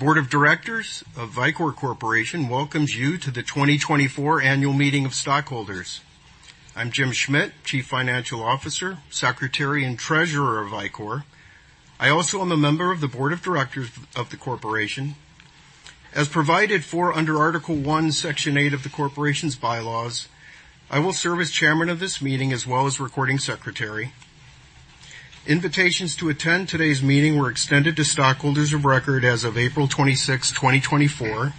...The Board of Directors of Vicor Corporation welcomes you to the 2024 Annual Meeting of Stockholders. I'm Jim Schmidt, Chief Financial Officer, Secretary, and Treasurer of Vicor. I also am a member of the Board of Directors of the Corporation. As provided for under Article 1, Section 8 of the Corporation's bylaws, I will serve as chairman of this meeting, as well as recording secretary. Invitations to attend today's meeting were extended to stockholders of record as of April 26, 2024,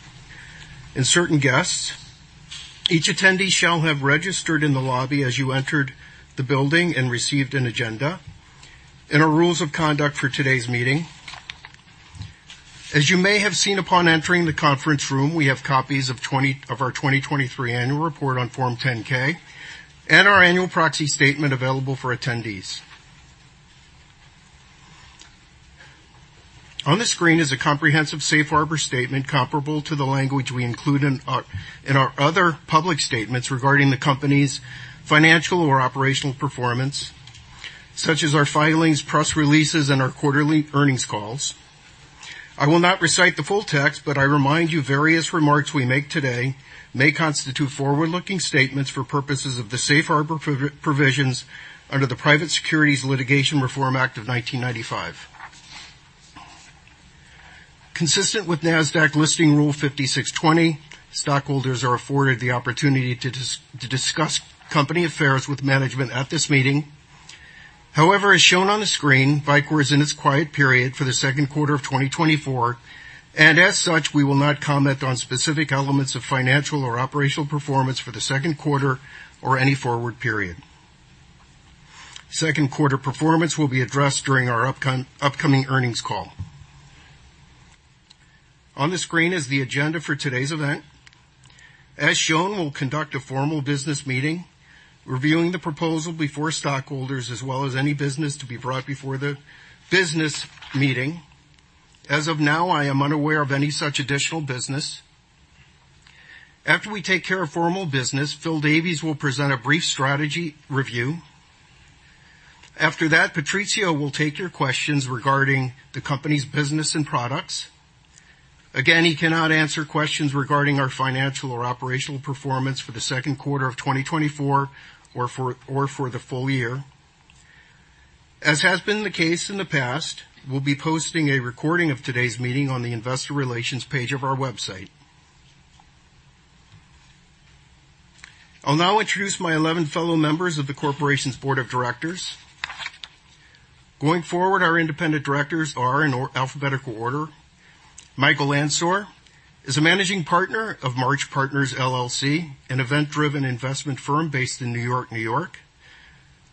and certain guests. Each attendee shall have registered in the lobby as you entered the building and received an agenda and our rules of conduct for today's meeting. As you may have seen, upon entering the conference room, we have copies of our 2023 annual report on Form 10-K and our annual proxy statement available for attendees. On the screen is a comprehensive safe harbor statement comparable to the language we include in our, in our other public statements regarding the company's financial or operational performance, such as our filings, press releases, and our quarterly earnings calls. I will not recite the full text, but I remind you, various remarks we make today may constitute forward-looking statements for purposes of the safe harbor provisions under the Private Securities Litigation Reform Act of 1995. Consistent with NASDAQ Listing Rule 5620, stockholders are afforded the opportunity to discuss company affairs with management at this meeting. However, as shown on the screen, Vicor is in its quiet period for the second quarter of 2024, and as such, we will not comment on specific elements of financial or operational performance for the second quarter or any forward period. Second quarter performance will be addressed during our upcoming earnings call. On the screen is the agenda for today's event. As shown, we'll conduct a formal business meeting reviewing the proposal before stockholders, as well as any business to be brought before the business meeting. As of now, I am unaware of any such additional business. After we take care of formal business, Phil Davies will present a brief strategy review. After that, Patrizio will take your questions regarding the company's business and products. Again, he cannot answer questions regarding our financial or operational performance for the second quarter of 2024 or for the full year. As has been the case in the past, we'll be posting a recording of today's meeting on the Investor Relations page of our website. I'll now introduce my 11 fellow members of the Corporation's Board of Directors. Going forward, our independent directors are, in alphabetical order: Michael Ansour is a managing partner of March Partners, LLC, an event-driven investment firm based in New York, New York.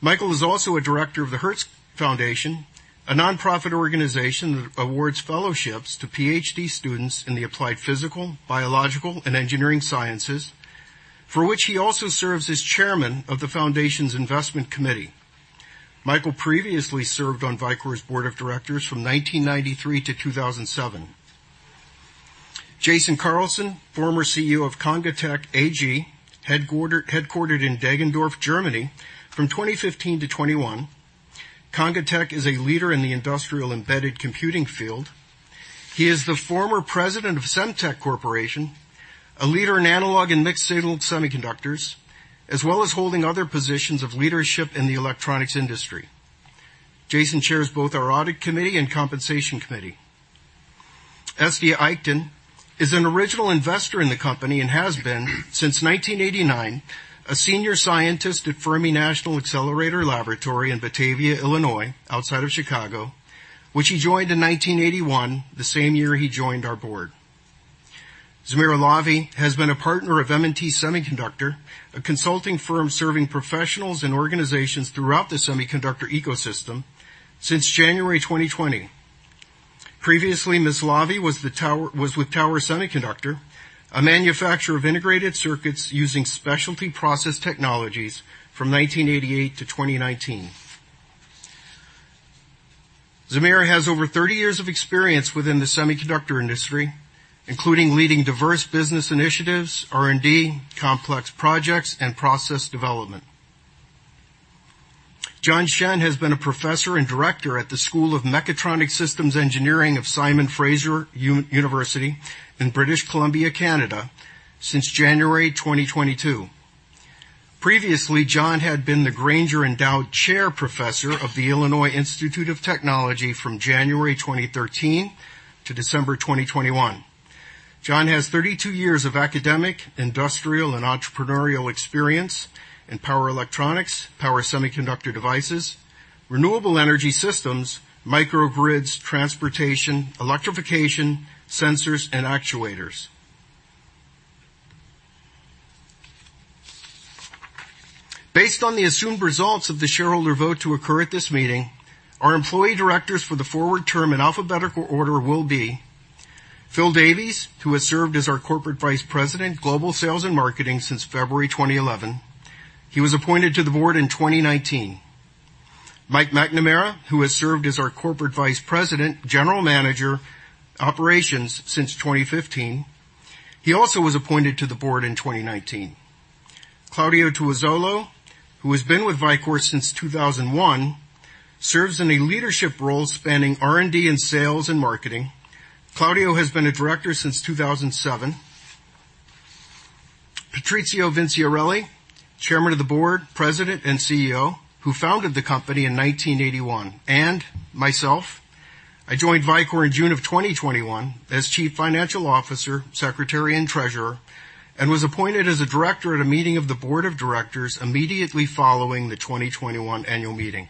Michael is also a director of the Hertz Foundation, a nonprofit organization that awards fellowships to PhD students in the applied physical, biological, and engineering sciences, for which he also serves as chairman of the foundation's investment committee. Michael previously served on Vicor's board of directors from 1993-2007. Jason Carlson, former CEO of Congatec AG, headquartered in Deggendorf, Germany, from 2015-2021. Congatec is a leader in the industrial embedded computing field. He is the former president of Semtech Corporation, a leader in analog and mixed signal semiconductors, as well as holding other positions of leadership in the electronics industry. Jason chairs both our Audit Committee and Compensation Committee. Estia Eichten is an original investor in the company and has been, since 1989, a senior scientist at Fermi National Accelerator Laboratory in Batavia, Illinois, outside of Chicago, which he joined in 1981, the same year he joined our board. Zemira Lavi has been a partner of M&T Semiconductor, a consulting firm serving professionals and organizations throughout the semiconductor ecosystem since January 2020. Previously, Ms. Lavi was with Tower Semiconductor, a manufacturer of integrated circuits using specialty process technologies from 1988-2019. Zemira has over 30 years of experience within the semiconductor industry, including leading diverse business initiatives, R&D, complex projects, and process development. John Shen has been a professor and director at the School of Mechatronic Systems Engineering of Simon Fraser University in British Columbia, Canada, since January 2022. Previously, John had been the Grainger Endowed Chair Professor of the Illinois Institute of Technology from January 2013-December 2021. John has 32 years of academic, industrial, and entrepreneurial experience in power electronics, power semiconductor devices, renewable energy systems, microgrids, transportation, electrification, sensors, and actuators. Based on the assumed results of the shareholder vote to occur at this meeting, our employee directors for the forward term, in alphabetical order, will be Phil Davies, who has served as our Corporate Vice President, Global Sales and Marketing, since February 2011. He was appointed to the board in 2019. Mike McNamara, who has served as our Corporate Vice President, General Manager, Operations since 2015. He also was appointed to the board in 2019. Claudio Tuozzolo, who has been with Vicor since 2001, serves in a leadership role spanning R&D and sales and marketing. Claudio has been a director since 2007. Patrizio Vinciarelli, Chairman of the Board, President, and CEO, who founded the company in 1981. And myself, I joined Vicor in June of 2021 as chief financial officer, secretary, and treasurer, and was appointed as a director at a meeting of the board of directors immediately following the 2021 annual meeting.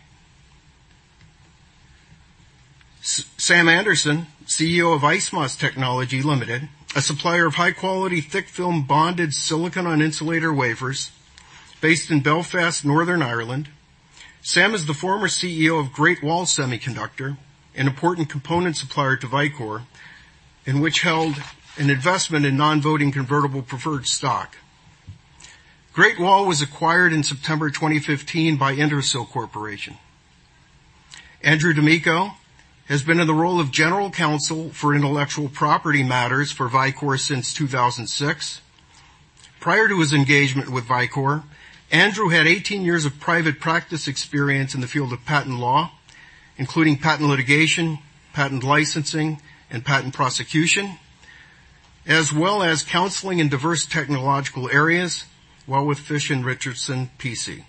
Sam Anderson, CEO of IceMOS Technology Limited, a supplier of high-quality, thick film, bonded silicon on insulator wafers based in Belfast, Northern Ireland. Sam is the former CEO of Great Wall Semiconductor, an important component supplier to Vicor, in which held an investment in non-voting convertible preferred stock. Great Wall was acquired in September 2015 by Intersil Corporation. Andrew D'Amico has been in the role of general counsel for intellectual property matters for Vicor since 2006. Prior to his engagement with Vicor, Andrew had 18 years of private practice experience in the field of patent law, including patent litigation, patent licensing, and patent prosecution, as well as counseling in diverse technological areas, while with Fish & Richardson P.C.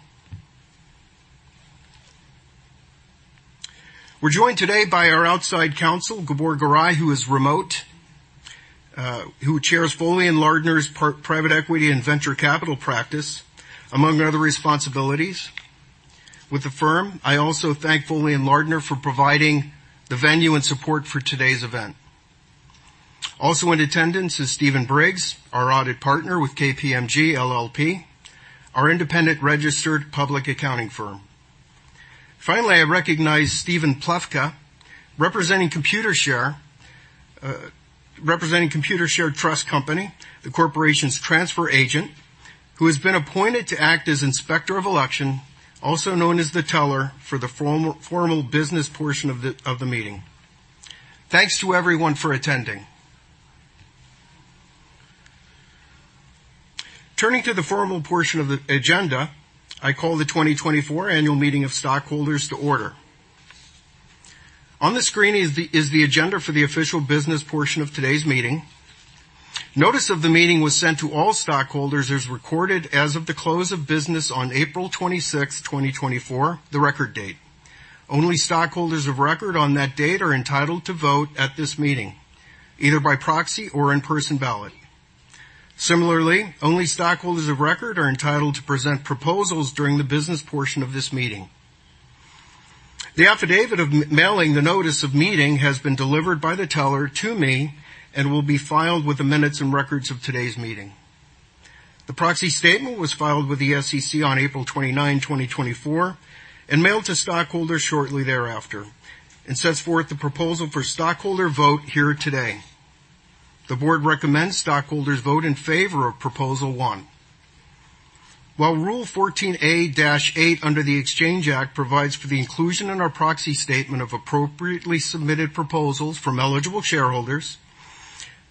We're joined today by our outside counsel, Gabor Garai, who is remote, who chairs Foley & Lardner’s private equity and venture capital practice, among other responsibilities with the firm. I also thank Foley & Lardner for providing the venue and support for today's event. Also in attendance is Stephen Briggs, our audit partner with KPMG LLP, our independent registered public accounting firm. Finally, I recognize Stephen Plefka, representing Computershare Trust Company, the corporation's transfer agent, who has been appointed to act as inspector of election, also known as the teller, for the formal business portion of the meeting. Thanks to everyone for attending. Turning to the formal portion of the agenda, I call the 2024 annual meeting of stockholders to order. On the screen is the agenda for the official business portion of today's meeting. Notice of the meeting was sent to all stockholders as recorded as of the close of business on April 26th, 2024, the record date. Only stockholders of record on that date are entitled to vote at this meeting, either by proxy or in-person ballot. Similarly, only stockholders of record are entitled to present proposals during the business portion of this meeting. The affidavit of mailing the notice of meeting has been delivered by the teller to me and will be filed with the minutes and records of today's meeting. The proxy statement was filed with the SEC on April 29, 2024, and mailed to stockholders shortly thereafter, and sets forth the proposal for stockholder vote here today. The board recommends stockholders vote in favor of proposal 1. While Rule 14A-8 under the Exchange Act provides for the inclusion in our proxy statement of appropriately submitted proposals from eligible shareholders,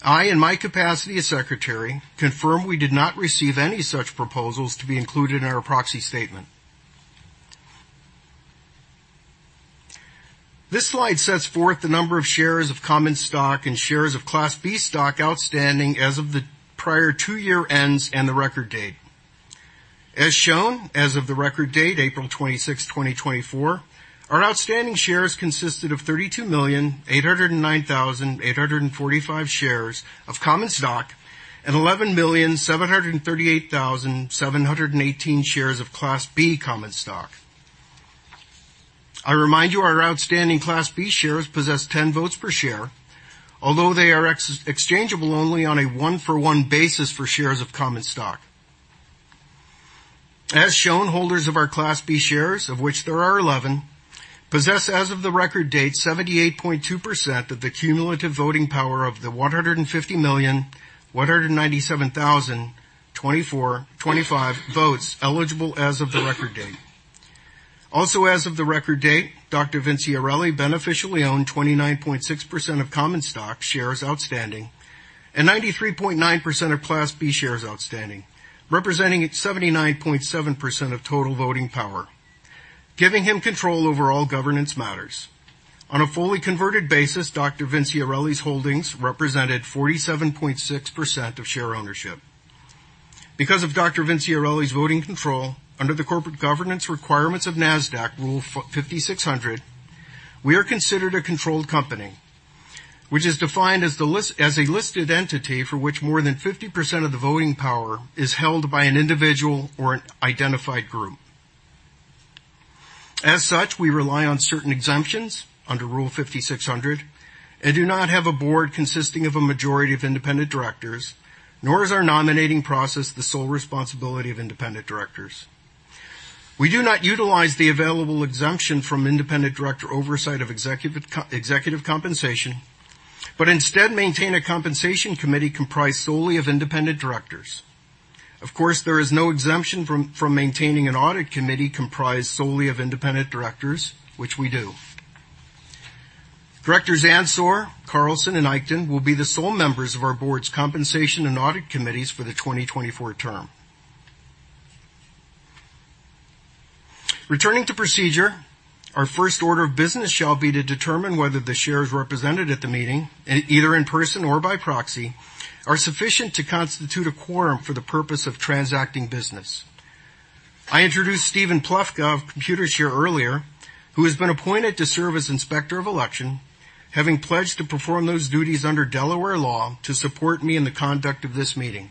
I, in my capacity as secretary, confirm we did not receive any such proposals to be included in our proxy statement. This slide sets forth the number of shares of common stock and shares of Class B stock outstanding as of the prior two-year ends and the record date. As shown, as of the record date, April 26, 2024, our outstanding shares consisted of 32,809,845 shares of common stock and 11,738,718 shares of Class B common stock. I remind you, our outstanding Class B shares possess 10 votes per share, although they are exchangeable only on a 1-for-1 basis for shares of common stock. As shown, holders of our Class B shares, of which there are 11, possess, as of the record date, 78.2% of the cumulative voting power of the 150,197,025 votes eligible as of the record date. Also, as of the record date, Dr. Vinciarelli beneficially owned 29.6% of common stock shares outstanding and 93.9% of Class B shares outstanding, representing 79.7% of total voting power, giving him control over all governance matters. On a fully converted basis, Dr. Vinciarelli's holdings represented 47.6% of share ownership. Because of Dr. Vinciarelli's voting control under the corporate governance requirements of NASDAQ Rule 5600, we are considered a controlled company, which is defined as a listed entity for which more than 50% of the voting power is held by an individual or an identified group. As such, we rely on certain exemptions under Rule 5600 and do not have a board consisting of a majority of independent directors, nor is our nominating process the sole responsibility of independent directors. We do not utilize the available exemption from independent director oversight of executive compensation, but instead maintain a compensation committee comprised solely of independent directors. Of course, there is no exemption from maintaining an audit committee comprised solely of independent directors, which we do. Directors Ansour, Carlson, and Ikten will be the sole members of our board's compensation and audit committees for the 2024 term. Returning to procedure, our first order of business shall be to determine whether the shares represented at the meeting, either in person or by proxy, are sufficient to constitute a quorum for the purpose of transacting business. I introduced Stephen Plefka, Computershare earlier, who has been appointed to serve as Inspector of Election, having pledged to perform those duties under Delaware law to support me in the conduct of this meeting.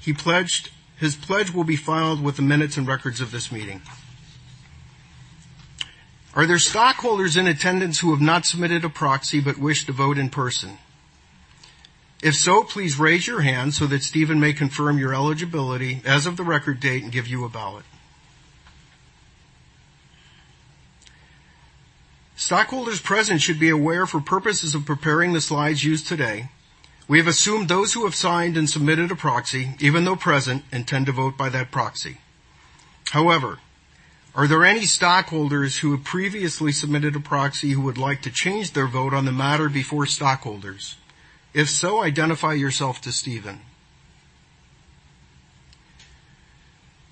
He pledged. His pledge will be filed with the minutes and records of this meeting. Are there stockholders in attendance who have not submitted a proxy but wish to vote in person? If so, please raise your hand so that Stephen may confirm your eligibility as of the record date and give you a ballot. Stockholders present should be aware for purposes of preparing the slides used today, we have assumed those who have signed and submitted a proxy, even though present, intend to vote by that proxy. However, are there any stockholders who have previously submitted a proxy who would like to change their vote on the matter before stockholders? If so, identify yourself to Steven.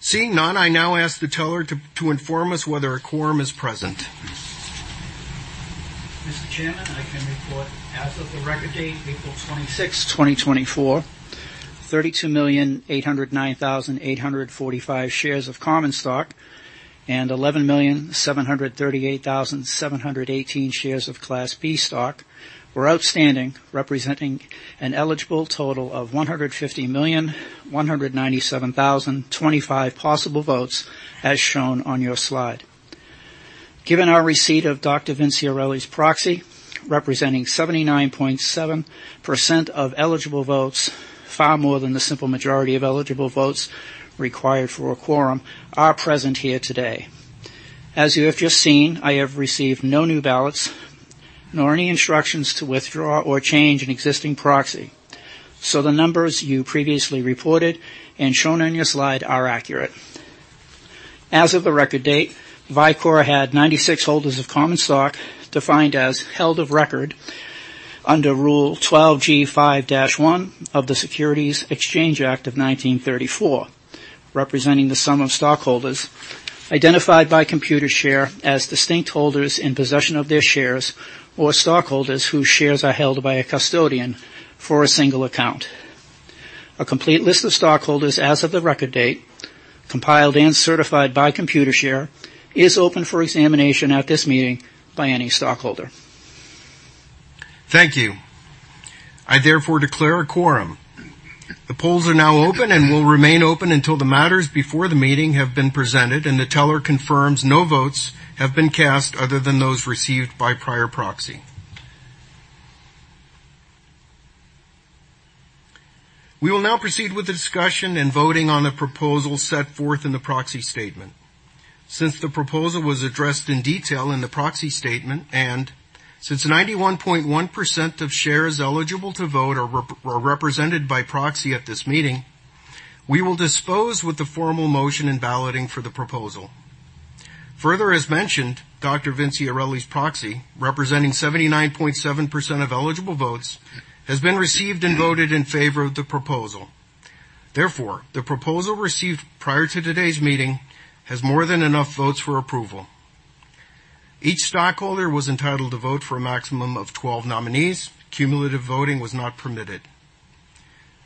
Seeing none, I now ask the teller to inform us whether a quorum is present. Mr. Chairman, I can report as of the record date, April 26, 2024, 32,809,845 shares of common stock and 11,738,718 shares of Class B stock were outstanding, representing an eligible total of 150,197,025 possible votes, as shown on your slide. Given our receipt of Dr. Vinciarelli's proxy, representing 79.7% of eligible votes, far more than the simple majority of eligible votes required for a quorum are present here today. As you have just seen, I have received no new ballots nor any instructions to withdraw or change an existing proxy. So the numbers you previously reported and shown on your slide are accurate. As of the record date, Vicor had 96 holders of common stock, defined as held of record under Rule 12G5-1 of the Securities Exchange Act of 1934, representing the sum of stockholders identified by Computershare as distinct holders in possession of their shares, or stockholders whose shares are held by a custodian for a single account. A complete list of stockholders as of the record date, compiled and certified by Computershare, is open for examination at this meeting by any stockholder. Thank you. I therefore declare a quorum. The polls are now open and will remain open until the matters before the meeting have been presented and the teller confirms no votes have been cast other than those received by prior proxy. We will now proceed with the discussion and voting on the proposal set forth in the proxy statement. Since the proposal was addressed in detail in the proxy statement, and since 91.1% of shares eligible to vote are represented by proxy at this meeting, we will dispense with the formal motion and balloting for the proposal. Further, as mentioned, Dr. Vinciarelli's proxy, representing 79.7% of eligible votes, has been received and voted in favor of the proposal. Therefore, the proposal received prior to today's meeting has more than enough votes for approval. Each stockholder was entitled to vote for a maximum of 12 nominees. Cumulative voting was not permitted.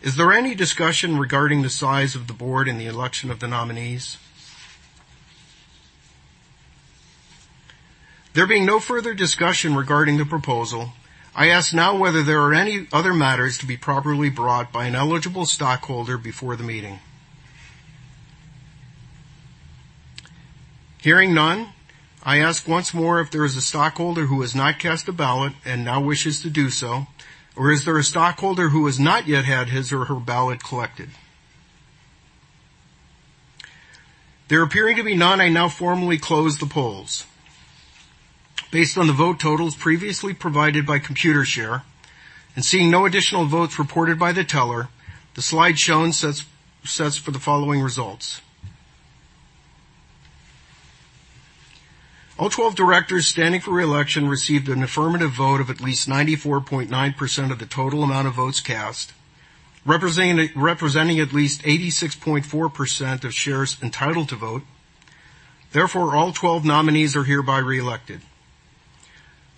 Is there any discussion regarding the size of the board and the election of the nominees? There being no further discussion regarding the proposal, I ask now whether there are any other matters to be properly brought by an eligible stockholder before the meeting. Hearing none, I ask once more if there is a stockholder who has not cast a ballot and now wishes to do so, or is there a stockholder who has not yet had his or her ballot collected? There appearing to be none, I now formally close the polls. Based on the vote totals previously provided by Computershare and seeing no additional votes reported by the teller, the slide shown says for the following results. All 12 directors standing for reelection received an affirmative vote of at least 94.9% of the total amount of votes cast, representing at least 86.4% of shares entitled to vote. Therefore, all 12 nominees are hereby reelected.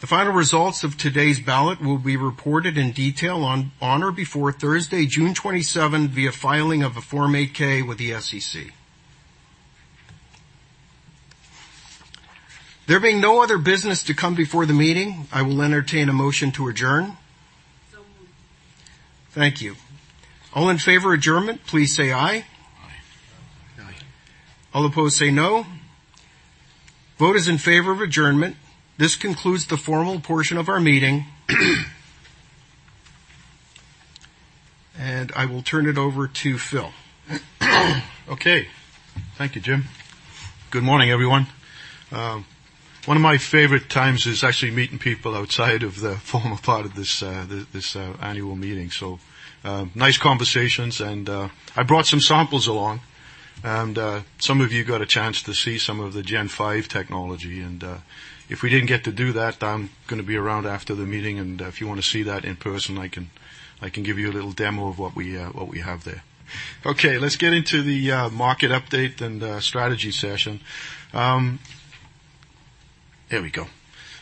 The final results of today's ballot will be reported in detail on or before Thursday, June 27, via filing of a Form 8-K with the SEC. There being no other business to come before the meeting, I will entertain a motion to adjourn. So moved. Thank you. All in favor of adjournment, please say aye. Aye. All opposed, say no. Vote is in favor of adjournment. This concludes the formal portion of our meeting, and I will turn it over to Phil. Okay. Thank you, Jim. Good morning, everyone. One of my favorite times is actually meeting people outside of the formal part of this annual meeting. So, nice conversations, and I brought some samples along, and some of you got a chance to see some of the Gen 5 technology, and if we didn't get to do that, I'm gonna be around after the meeting, and if you wanna see that in person, I can give you a little demo of what we have there. Okay, let's get into the market update and strategy session. Here we go.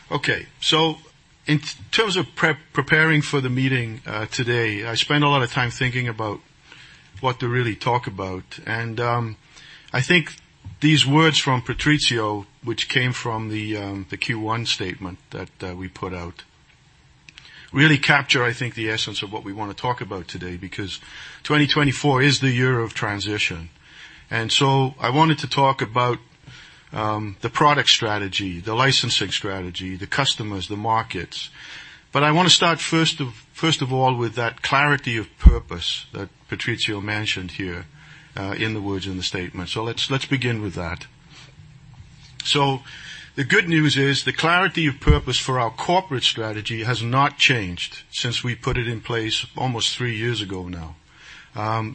Okay. So in terms of preparing for the meeting today, I spent a lot of time thinking about what to really talk about. I think these words from Patrizio, which came from the Q1 statement that we put out, really capture, I think, the essence of what we wanna talk about today, because 2024 is the year of transition. I wanted to talk about the product strategy, the licensing strategy, the customers, the markets. But I wanna start first of all with that clarity of purpose that Patrizio mentioned here in the words in the statement. So let's begin with that. The good news is, the clarity of purpose for our corporate strategy has not changed since we put it in place almost three years ago now.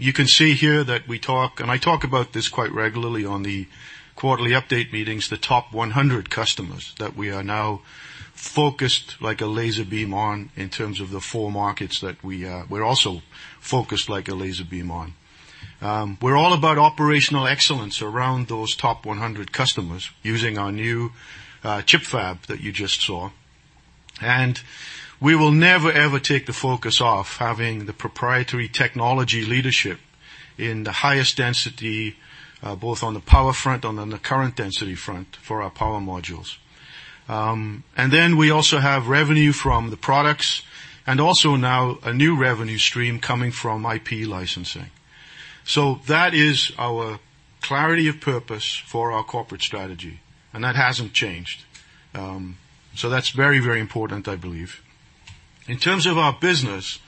You can see here that we talk... And I talk about this quite regularly on the quarterly update meetings, the top 100 customers, that we are now focused like a laser beam on in terms of the four markets that we, we're also focused like a laser beam on. We're all about operational excellence around those top 100 customers using our new, chip fab that you just saw. And we will never, ever take the focus off having the proprietary technology leadership in the highest density, both on the power front and on the current density front for our power modules. And then we also have revenue from the products and also now a new revenue stream coming from IP licensing. So that is our clarity of purpose for our corporate strategy, and that hasn't changed. So that's very, very important, I believe. In terms of our business,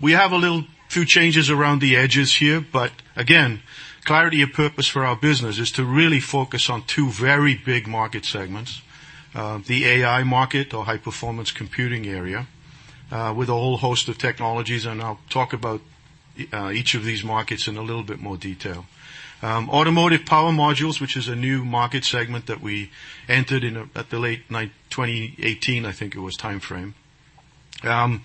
we have a little few changes around the edges here, but again, clarity of purpose for our business is to really focus on two very big market segments, the AI market or high-performance computing area, with a whole host of technologies, and I'll talk about each of these markets in a little bit more detail. Automotive power modules, which is a new market segment that we entered in at the late 2018, I think it was timeframe. And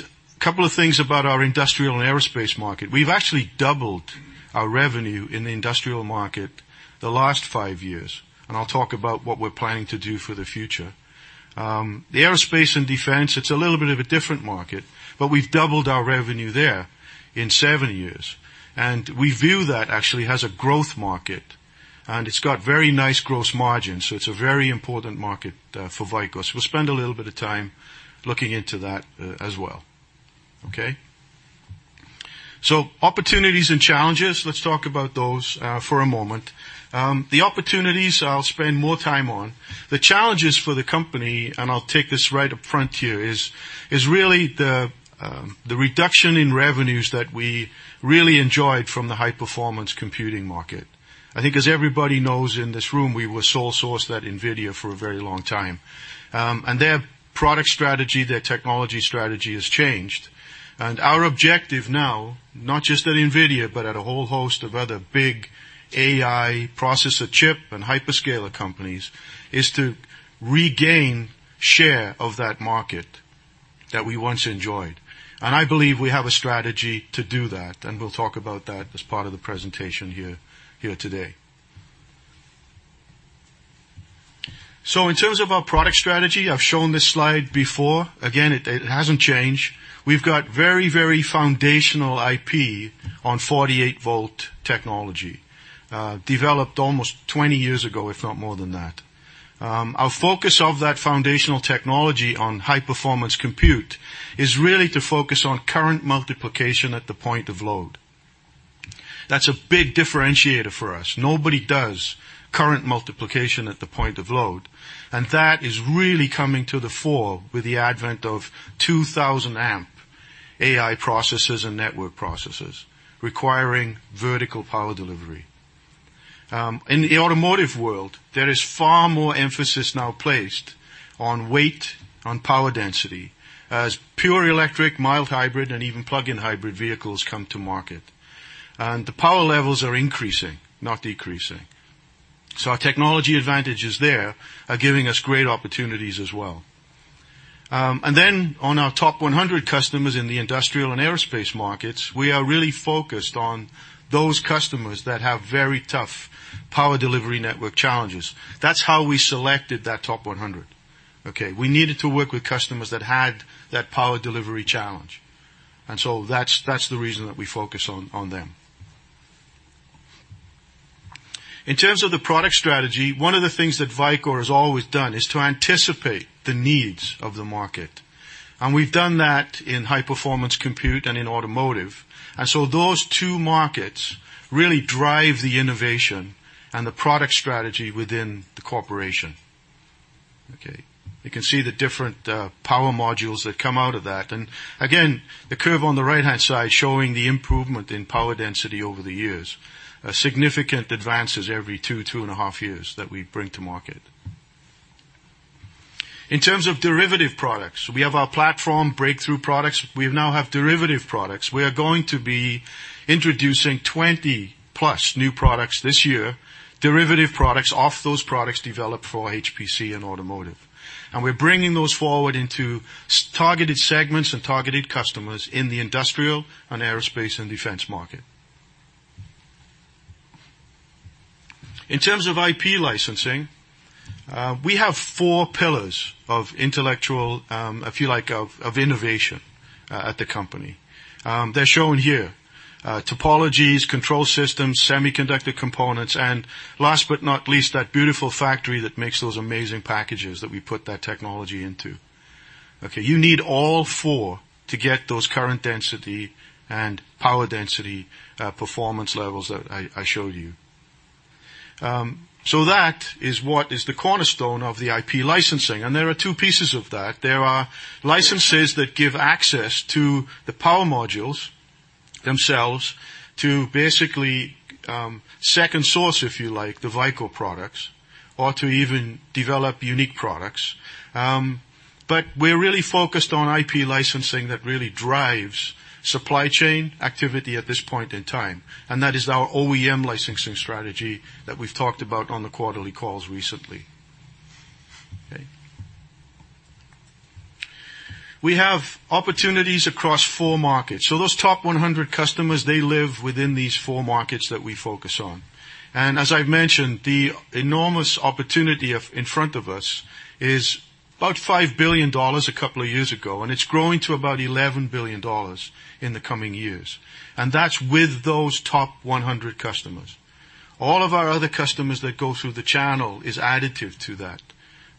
a couple of things about our industrial and aerospace market. We've actually doubled our revenue in the industrial market the last five years, and I'll talk about what we're planning to do for the future. The aerospace and defense, it's a little bit of a different market, but we've doubled our revenue there in seven years, and we view that actually as a growth market, and it's got very nice gross margins, so it's a very important market for Vicor. So we'll spend a little bit of time looking into that as well. Okay? So opportunities and challenges, let's talk about those for a moment. The opportunities I'll spend more time on. The challenges for the company, and I'll take this right up front here, is really the reduction in revenues that we really enjoyed from the high-performance computing market. I think, as everybody knows in this room, we were sole source at NVIDIA for a very long time. And their product strategy, their technology strategy has changed. Our objective now, not just at NVIDIA, but at a whole host of other big AI processor chip and hyperscaler companies, is to regain share of that market that we once enjoyed. I believe we have a strategy to do that, and we'll talk about that as part of the presentation here, here today. So in terms of our product strategy, I've shown this slide before. Again, it, it hasn't changed. We've got very, very foundational IP on 48-volt technology, developed almost 20 years ago, if not more than that. Our focus of that foundational technology on high-performance compute is really to focus on current multiplication at the point of load. That's a big differentiator for us. Nobody does current multiplication at the point of load, and that is really coming to the fore with the advent of 2000-amp AI processors and network processors requiring vertical power delivery. In the automotive world, there is far more emphasis now placed on weight, on power density, as pure electric, mild hybrid, and even plug-in hybrid vehicles come to market. And the power levels are increasing, not decreasing. So our technology advantages there are giving us great opportunities as well. And then on our top 100 customers in the industrial and aerospace markets, we are really focused on those customers that have very tough power delivery network challenges. That's how we selected that top 100. Okay, we needed to work with customers that had that power delivery challenge, and so that's, that's the reason that we focus on, on them. In terms of the product strategy, one of the things that Vicor has always done is to anticipate the needs of the market, and we've done that in high-performance compute and in automotive. And so those two markets really drive the innovation and the product strategy within the corporation. Okay, you can see the different power modules that come out of that. And again, the curve on the right-hand side showing the improvement in power density over the years. Significant advances every two, two and half years that we bring to market. In terms of derivative products, we have our platform breakthrough products. We now have derivative products. We are going to be introducing 20+ new products this year, derivative products, off those products developed for HPC and automotive. And we're bringing those forward into targeted segments and targeted customers in the industrial and aerospace and defense market. In terms of IP licensing, we have four pillars of intellectual, if you like, of, of innovation, at the company. They're shown here, topologies, control systems, semiconductor components, and last but not least, that beautiful factory that makes those amazing packages that we put that technology into. Okay, you need all four to get those current density and power density, performance levels that I, I showed you. So that is what is the cornerstone of the IP licensing, and there are two pieces of that. There are licenses that give access to the power modules themselves to basically, second source, if you like, the Vicor products, or to even develop unique products. But we're really focused on IP licensing that really drives supply chain activity at this point in time, and that is our OEM licensing strategy that we've talked about on the quarterly calls recently. Okay. We have opportunities across four markets. So those top 100 customers, they live within these four markets that we focus on. And as I've mentioned, the enormous opportunity in front of us is about $5 billion a couple of years ago, and it's growing to about $11 billion in the coming years, and that's with those top 100 customers. All of our other customers that go through the channel is additive to that.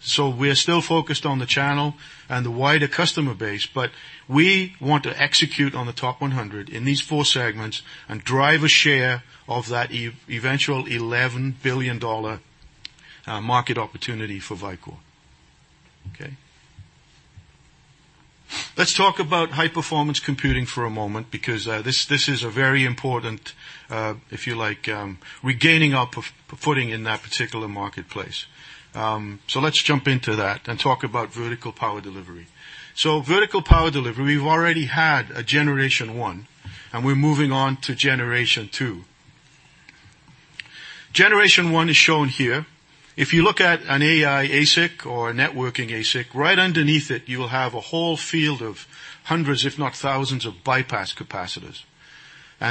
So we're still focused on the channel and the wider customer base, but we want to execute on the top 100 in these four segments and drive a share of that eventual $11 billion market opportunity for Vicor. Okay. Let's talk about high-performance computing for a moment, because this is a very important, if you like, regaining our footing in that particular marketplace. So let's jump into that and talk about vertical power delivery. So vertical power delivery, we've already had a Generation 1, and we're moving on to Generation 2. Generation 1 is shown here. If you look at an AI ASIC or a networking ASIC, right underneath it, you will have a whole field of hundreds, if not thousands, of bypass capacitors.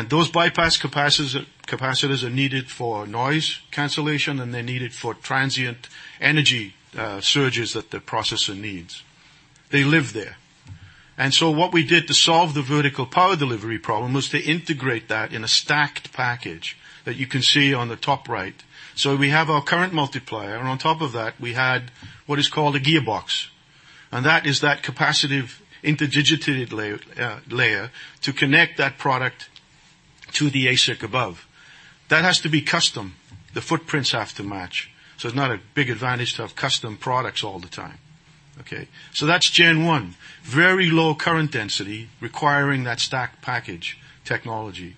Those bypass capacitors are needed for noise cancellation, and they're needed for transient energy surges that the processor needs. They live there. So what we did to solve the vertical power delivery problem was to integrate that in a stacked package that you can see on the top right. So we have our current multiplier, and on top of that, we had what is called a gearbox, and that is that capacitive interdigitated layer to connect that product to the ASIC above. That has to be custom. The footprints have to match, so it's not a big advantage to have custom products all the time. Okay, so that's gen one, very low current density, requiring that stack package technology.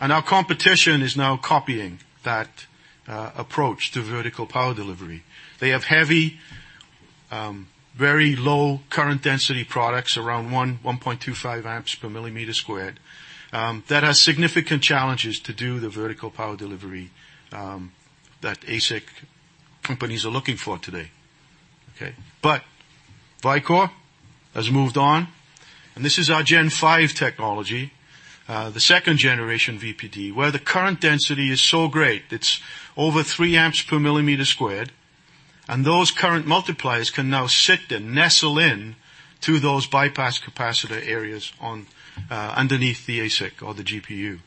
Our competition is now copying that approach to vertical power delivery. They have heavy, very low current density products, around 1.25 A/mm², that has significant challenges to do the vertical power delivery that ASIC companies are looking for today. Okay, but Vicor has moved on, and this is our Gen-5 technology, the second generation VPD, where the current density is so great, it's over 3 A/mm², and those current multipliers can now sit and nestle in to those bypass capacitor areas on, underneath the ASIC or the GPU,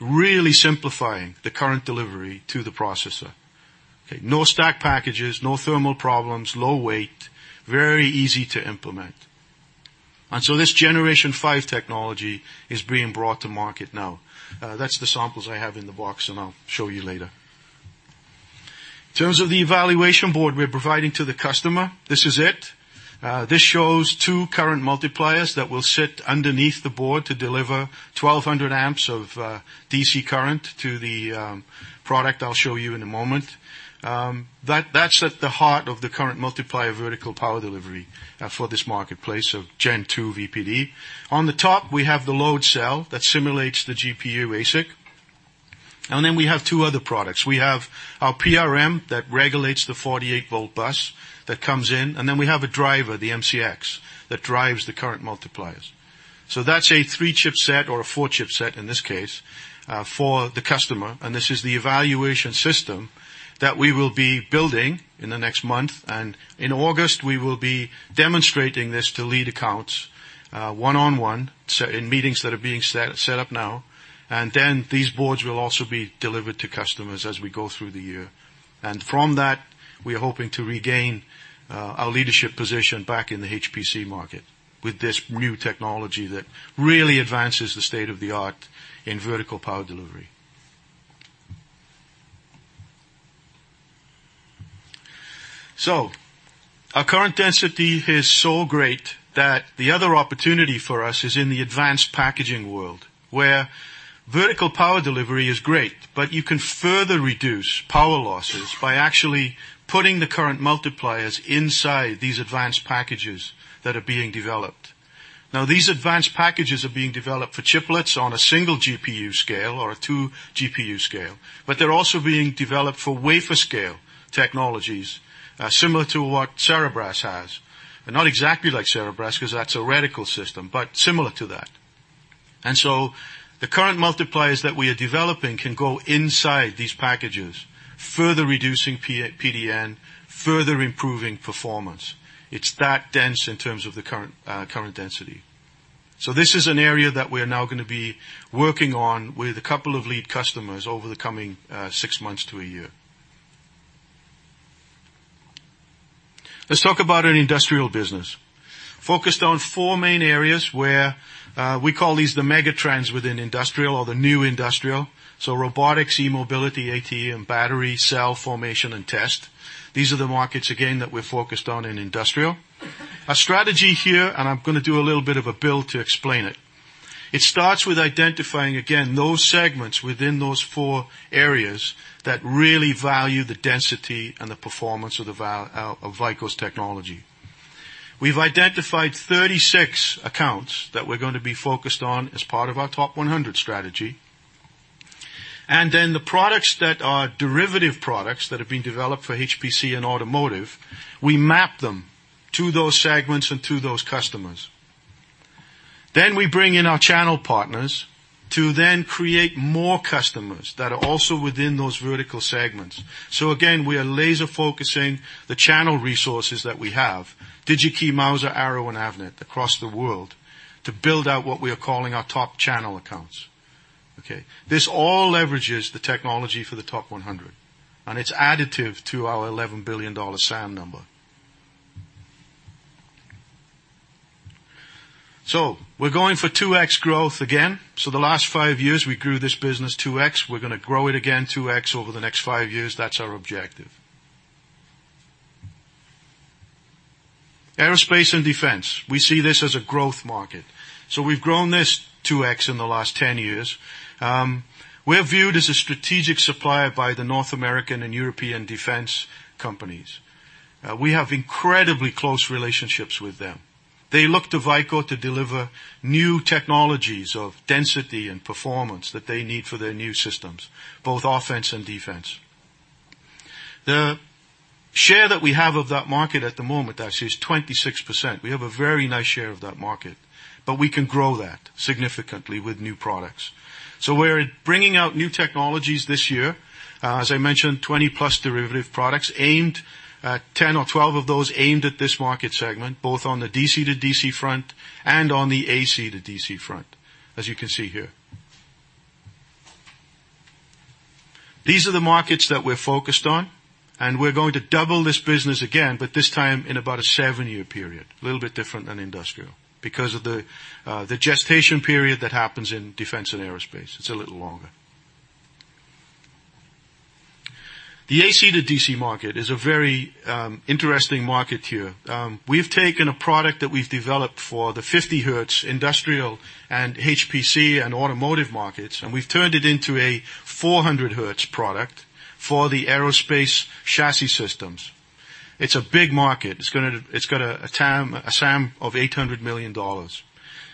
really simplifying the current delivery to the processor. Okay, no stack packages, no thermal problems, low weight, very easy to implement. And so this Gen-5 technology is being brought to market now. That's the samples I have in the box, and I'll show you later. In terms of the evaluation board we're providing to the customer, this is it. This shows two current multipliers that will sit underneath the board to deliver 1200 amps of DC current to the product I'll show you in a moment. That, that's at the heart of the current multiplier vertical power delivery for this marketplace of Gen 2 VPD. On the top, we have the load cell that simulates the GPU ASIC, and then we have two other products. We have our PRM, that regulates the 48-volt bus that comes in, and then we have a driver, the MCX, that drives the current multipliers. So that's a 3-chip set or a 4-chip set, in this case, for the customer, and this is the evaluation system that we will be building in the next month. And in August, we will be demonstrating this to lead accounts, one on one, so in meetings that are being set up now, and then these boards will also be delivered to customers as we go through the year. And from that, we are hoping to regain our leadership position back in the HPC market with this new technology that really advances the state-of-the-art in vertical power delivery. So our current density is so great that the other opportunity for us is in the advanced packaging world, where vertical power delivery is great, but you can further reduce power losses by actually putting the current multipliers inside these advanced packages that are being developed. Now, these advanced packages are being developed for chiplets on a single GPU scale or a two GPU scale, but they're also being developed for wafer-scale technologies, similar to what Cerebras has. But not exactly like Cerebras, 'cause that's a radical system, but similar to that. And so the current multipliers that we are developing can go inside these packages, further reducing PDN, further improving performance. It's that dense in terms of the current density. So this is an area that we are now gonna be working on with a couple of lead customers over the coming six months to a year. Let's talk about our industrial business. Focused on four main areas where we call these the mega trends within industrial or the new industrial. So robotics, e-mobility, AT and battery, cell formation and test. These are the markets, again, that we're focused on in industrial. Our strategy here, and I'm gonna do a little bit of a build to explain it. It starts with identifying, again, those segments within those four areas that really value the density and the performance of the value of Vicor's technology. We've identified 36 accounts that we're going to be focused on as part of our top 100 strategy. And then the products that are derivative products that have been developed for HPC and automotive, we map them to those segments and to those customers. Then we bring in our channel partners to then create more customers that are also within those vertical segments. So again, we are laser-focusing the channel resources that we have, Digi-Key, Mouser, Arrow, and Avnet, across the world, to build out what we are calling our top channel accounts. Okay, this all leverages the technology for the top 100, and it's additive to our $11 billion SAM number. So we're going for 2x growth again. So the last five years, we grew this business 2x. We're gonna grow it again 2x over the next five years. That's our objective. Aerospace and defense, we see this as a growth market. So we've grown this 2x in the last 10 years. We're viewed as a strategic supplier by the North American and European defense companies. We have incredibly close relationships with them. They look to Vicor to deliver new technologies of density and performance that they need for their new systems, both offense and defense. The share that we have of that market at the moment, actually, is 26%. We have a very nice share of that market, but we can grow that significantly with new products. So we're bringing out new technologies this year. As I mentioned, 20+ derivative products aimed, ten or twelve of those aimed at this market segment, both on the DC-to-DC front and on the AC-to-DC front, as you can see here. These are the markets that we're focused on, and we're going to double this business again, but this time in about a seven-year period. A little bit different than industrial because of the, the gestation period that happens in defense and aerospace, it's a little longer. The AC-to-DC market is a very, interesting market here. We've taken a product that we've developed for the 50 hertz industrial and HPC and automotive markets, and we've turned it into a 400 hertz product for the aerospace chassis systems. It's a big market. It's got a TAM, a SAM of $800 million.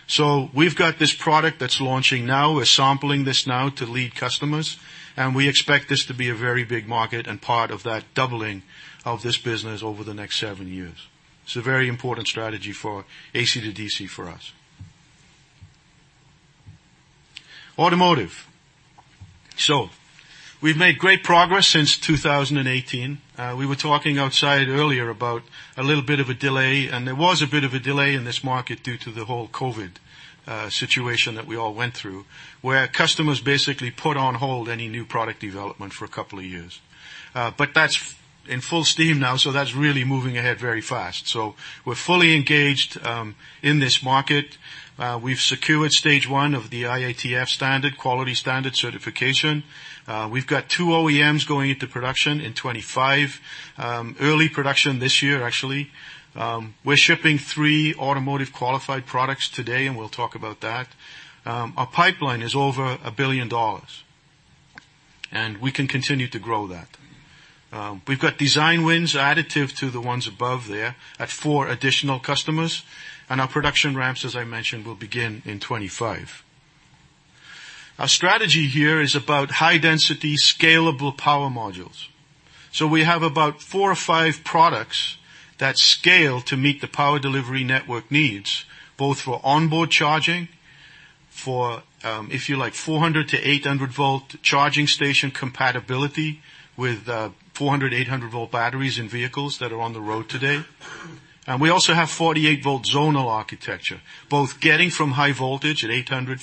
So we've got this product that's launching now. We're sampling this now to lead customers, and we expect this to be a very big market and part of that doubling of this business over the next seven years. It's a very important strategy for AC to DC for us. Automotive. So we've made great progress since 2018. We were talking outside earlier about a little bit of a delay, and there was a bit of a delay in this market due to the whole COVID situation that we all went through, where customers basically put on hold any new product development for a couple of years. But that's in full steam now, so that's really moving ahead very fast. So we're fully engaged in this market. We've secured stage one of the IATF standard, quality standard certification. We've got two OEMs going into production in 2025, early production this year, actually. We're shipping three automotive qualified products today, and we'll talk about that. Our pipeline is over $1 billion, and we can continue to grow that. We've got design wins additive to the ones above there at four additional customers, and our production ramps, as I mentioned, will begin in 2025. Our strategy here is about high-density, scalable power modules. So we have about four or five products that scale to meet the power delivery network needs, both for onboard charging, for, if you like, 400-800 volt charging station compatibility with, 400, 800 volt batteries in vehicles that are on the road today. We also have 48-volt zonal architecture, both getting from high voltage at 800,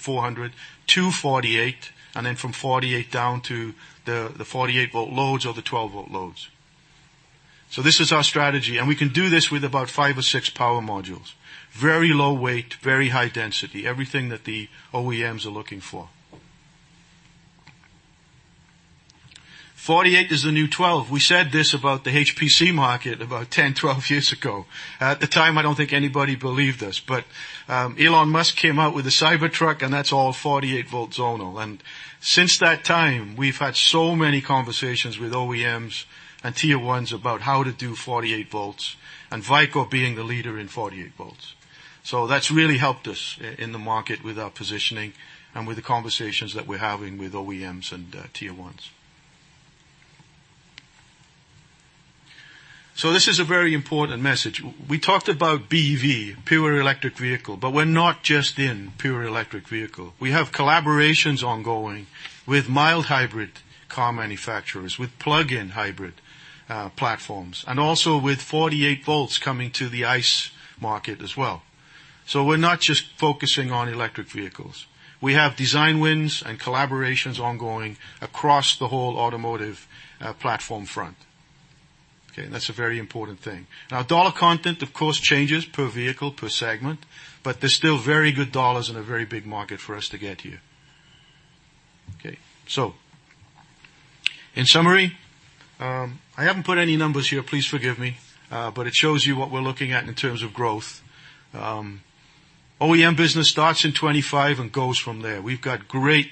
400-48, and then from 48 down to the, the 48-volt loads or the 12-volt loads. So this is our strategy, and we can do this with about 5 or 6 power modules. Very low weight, very high density, everything that the OEMs are looking for. 48 is the new 12. We said this about the HPC market about 10, 12 years ago. At the time, I don't think anybody believed us, but Elon Musk came out with a Cybertruck, and that's all 48 volts all on. And since that time, we've had so many conversations with OEMs and Tier Ones about how to do 48 volts, and Vicor being the leader in 48 volts. So that's really helped us in the market with our positioning and with the conversations that we're having with OEMs and Tier Ones. So this is a very important message. We talked about BEV, pure electric vehicle, but we're not just in pure electric vehicle. We have collaborations ongoing with mild hybrid car manufacturers, with plug-in hybrid platforms, and also with 48 volts coming to the ICE market as well. So we're not just focusing on electric vehicles. We have design wins and collaborations ongoing across the whole automotive platform front. Okay, and that's a very important thing. Now, dollar content, of course, changes per vehicle, per segment, but there's still very good dollars in a very big market for us to get to. Okay, so in summary, I haven't put any numbers here, please forgive me, but it shows you what we're looking at in terms of growth. OEM business starts in 25 and goes from there. We've got great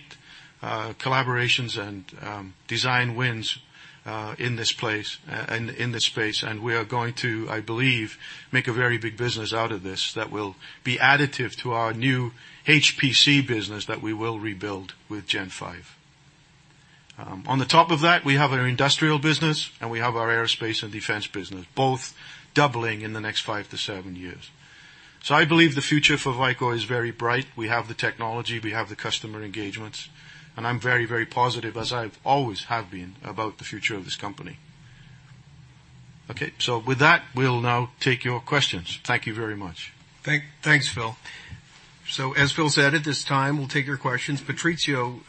collaborations and design wins in this place and in this space, and we are going to, I believe, make a very big business out of this that will be additive to our new HPC business that we will rebuild with Gen 5. On the top of that, we have our industrial business, and we have our aerospace and defense business, both doubling in the next five to seven years. So I believe the future for Vicor is very bright. We have the technology, we have the customer engagements, and I'm very, very positive, as I always have been, about the future of this company. Okay, so with that, we'll now take your questions. Thank you very much. Thanks, Phil. So as Phil said, at this time, we'll take your questions. Patrizio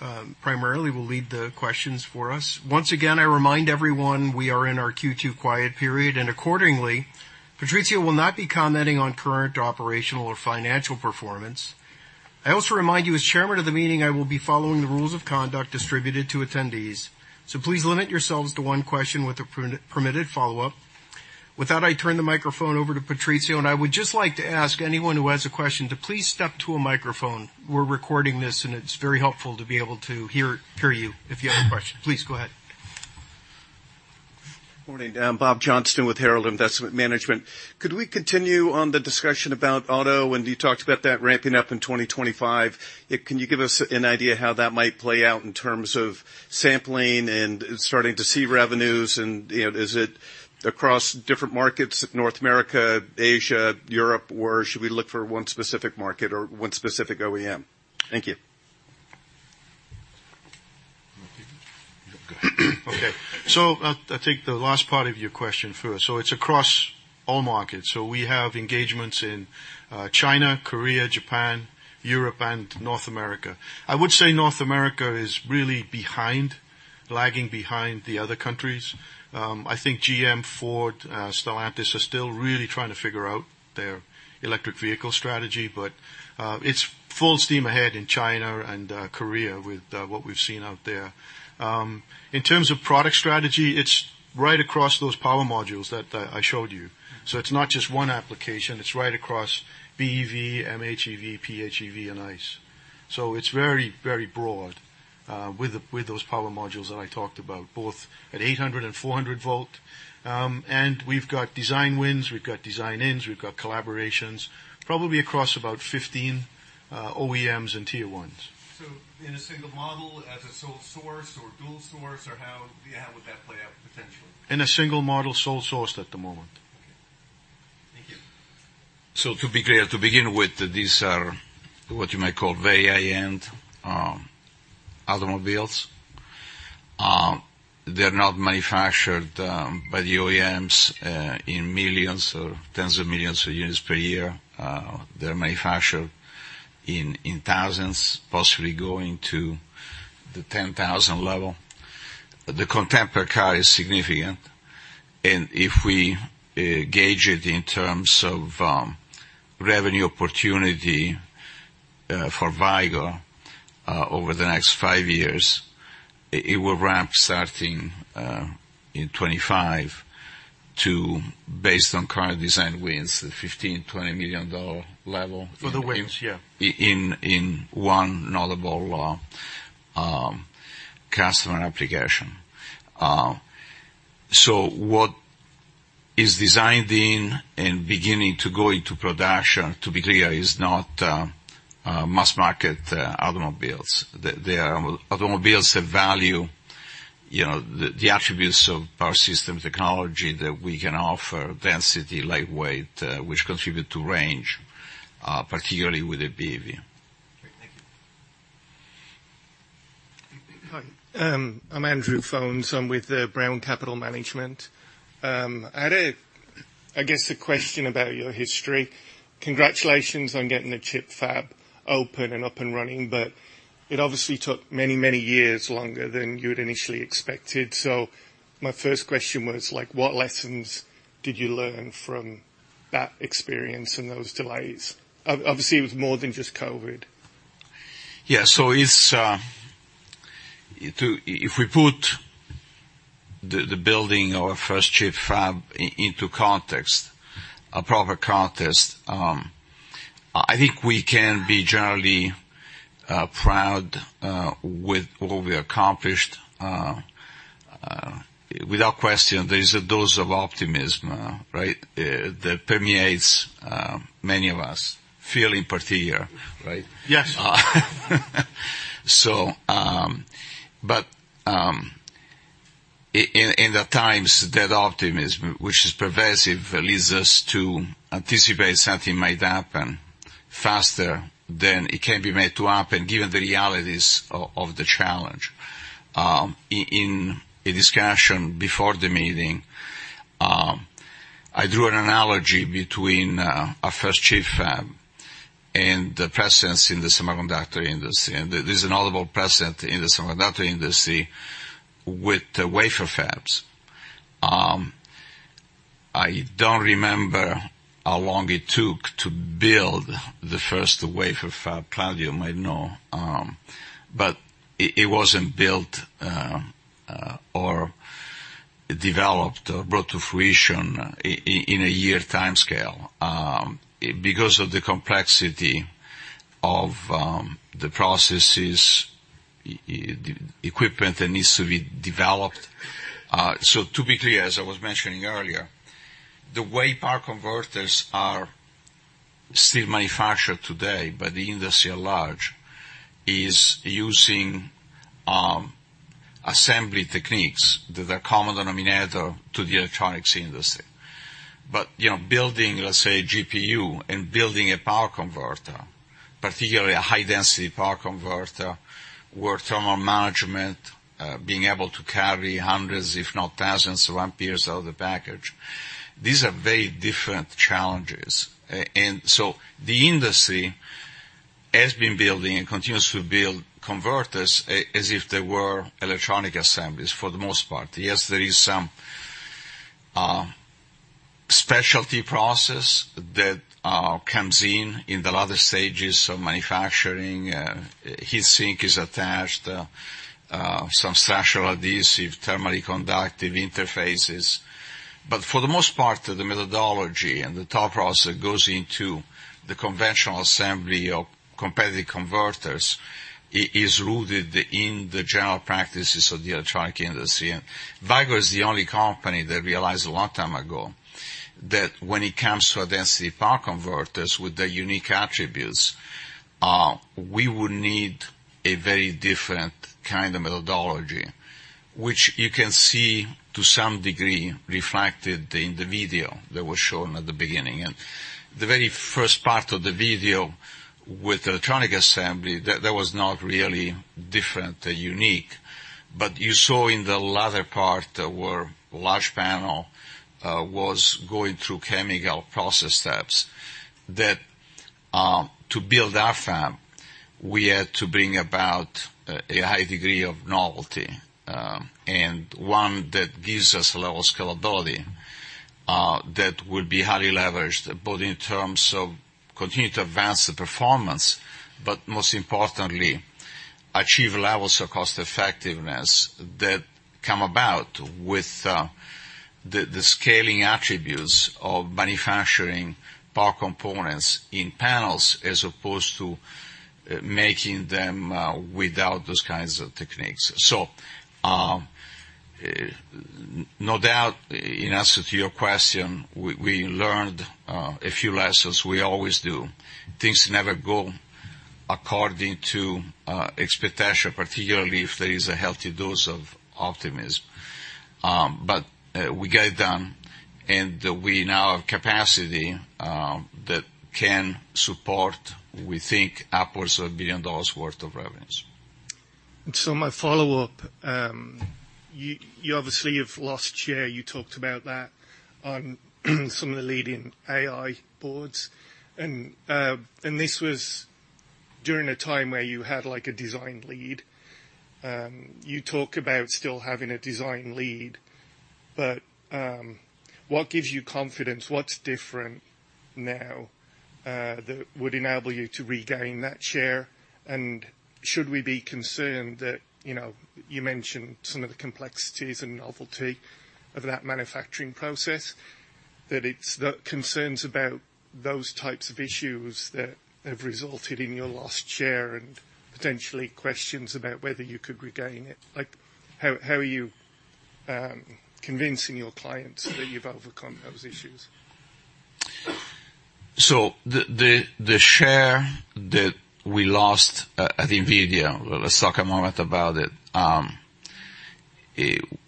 primarily will lead the questions for us. Once again, I remind everyone, we are in our Q2 quiet period, and accordingly, Patrizio will not be commenting on current operational or financial performance. I also remind you, as chairman of the meeting, I will be following the rules of conduct distributed to attendees. So please limit yourselves to one question with a permitted follow-up. With that, I turn the microphone over to Patrizio, and I would just like to ask anyone who has a question to please step to a microphone. We're recording this, and it's very helpful to be able to hear you if you have a question. Please go ahead. Morning. I'm Bob Johnston with Herald Investment Management. Could we continue on the discussion about auto, and you talked about that ramping up in 2025? Can you give us an idea how that might play out in terms of sampling and starting to see revenues, and, you know, is it across different markets, North America, Asia, Europe, or should we look for one specific market or one specific OEM? Thank you. You want me to? No, go ahead. Okay, so I, I think the last part of your question first. So it's across all markets. So we have engagements in, China, Korea, Japan, Europe, and North America. I would say North America is really behind, lagging behind the other countries. I think GM, Ford, Stellantis, are still really trying to figure out their electric vehicle strategy, but, it's full steam ahead in China and, Korea with, what we've seen out there. In terms of product strategy, it's right across those power modules that I, I showed you. So it's not just one application, it's right across BEV, MHEV, PHEV, and ICE. So it's very, very broad, with the, with those power modules that I talked about, both at 800 and 400 volt. We've got design wins, we've got design ins, we've got collaborations, probably across about 15 OEMs and Tier 1s. So in a single model, as a sole source or dual source, or how, how would that play out potentially? In a single model, sole sourced at the moment. Okay. Thank you. So to be clear, to begin with, these are what you might call very high-end automobiles. They're not manufactured by the OEMs in millions or tens of millions of units per year. They're manufactured in thousands, possibly going to the 10,000 level. The contemporary car is significant, and if we gauge it in terms of revenue opportunity for Vicor over the next five years, it will ramp starting in 2025 to... Based on current design wins, the $15-$20 million level- For the wins, yeah. In one notable customer application. So what is designed in and beginning to go into production, to be clear, is not mass market automobiles. They are automobiles that value, you know, the attributes of our system technology that we can offer, density, lightweight, which contribute to range, particularly with the BEV. Great. Thank you. Hey. Hi, I'm Andrew Fones. I'm with Brown Capital Management. I guess the question about your history. Congratulations on getting the chip fab open and up and running, but it obviously took many, many years longer than you had initially expected. So my first question was like, what lessons did you learn from that experience and those delays? Obviously, it was more than just COVID. Yeah. So it's if we put the building our first chip fab into context, a proper context, I think we can be generally proud with what we accomplished. Without question, there is a dose of optimism, right, that permeates many of us, feeling particular, right? Yes. So, but in the times, that optimism, which is pervasive, leads us to anticipate something might happen faster than it can be made to happen, given the realities of the challenge. In a discussion before the meeting, I drew an analogy between our first chip fab and the precedent in the semiconductor industry, and there's a notable precedent in the semiconductor industry with the wafer fabs. I don't remember how long it took to build the first wafer fab, Claudio might know, but it wasn't built or developed or brought to fruition in a year timescale, because of the complexity of the processes, the equipment that needs to be developed. So to be clear, as I was mentioning earlier, the way power converters are still manufactured today by the industry at large is using assembly techniques that are common denominator to the electronics industry. But, you know, building, let's say, a GPU and building a power converter, particularly a high-density power converter, where thermal management, being able to carry hundreds, if not thousands, of amperes out of the package, these are very different challenges. And so the industry has been building and continues to build converters as if they were electronic assemblies for the most part. Yes, there is some specialty process that comes in, in the latter stages of manufacturing. Heat sink is attached, some special adhesive, thermally conductive interfaces. But for the most part, the methodology and the thought process that goes into the conventional assembly of competitive converters is rooted in the general practices of the electronic industry. And Vicor is the only company that realized a long time ago, that when it comes to our density power converters with their unique attributes, we would need a very different kind of methodology, which you can see to some degree reflected in the video that was shown at the beginning. The very first part of the video with electronic assembly, that was not really different or unique, but you saw in the latter part, where large panel was going through chemical process steps, that to build our fab, we had to bring about a high degree of novelty, and one that gives us a level of scalability that would be highly leveraged, both in terms of continuing to advance the performance, but most importantly, achieve levels of cost-effectiveness that come about with the scaling attributes of manufacturing power components in panels, as opposed to making them without those kinds of techniques. So, no doubt, in answer to your question, we learned a few lessons. We always do. Things never go according to expectation, particularly if there is a healthy dose of optimism. We got it done, and we now have capacity that can support, we think, upwards of $1 billion worth of revenues. So my follow-up, you obviously have lost share. You talked about that on some of the leading AI boards, and this was during a time where you had, like, a design lead. You talk about still having a design lead, but what gives you confidence? What's different now that would enable you to regain that share? And should we be concerned that, you know, you mentioned some of the complexities and novelty of that manufacturing process, that it's the concerns about those types of issues that have resulted in your lost share, and potentially questions about whether you could regain it. Like, how are you convincing your clients that you've overcome those issues? So the share that we lost at NVIDIA, let's talk a moment about it.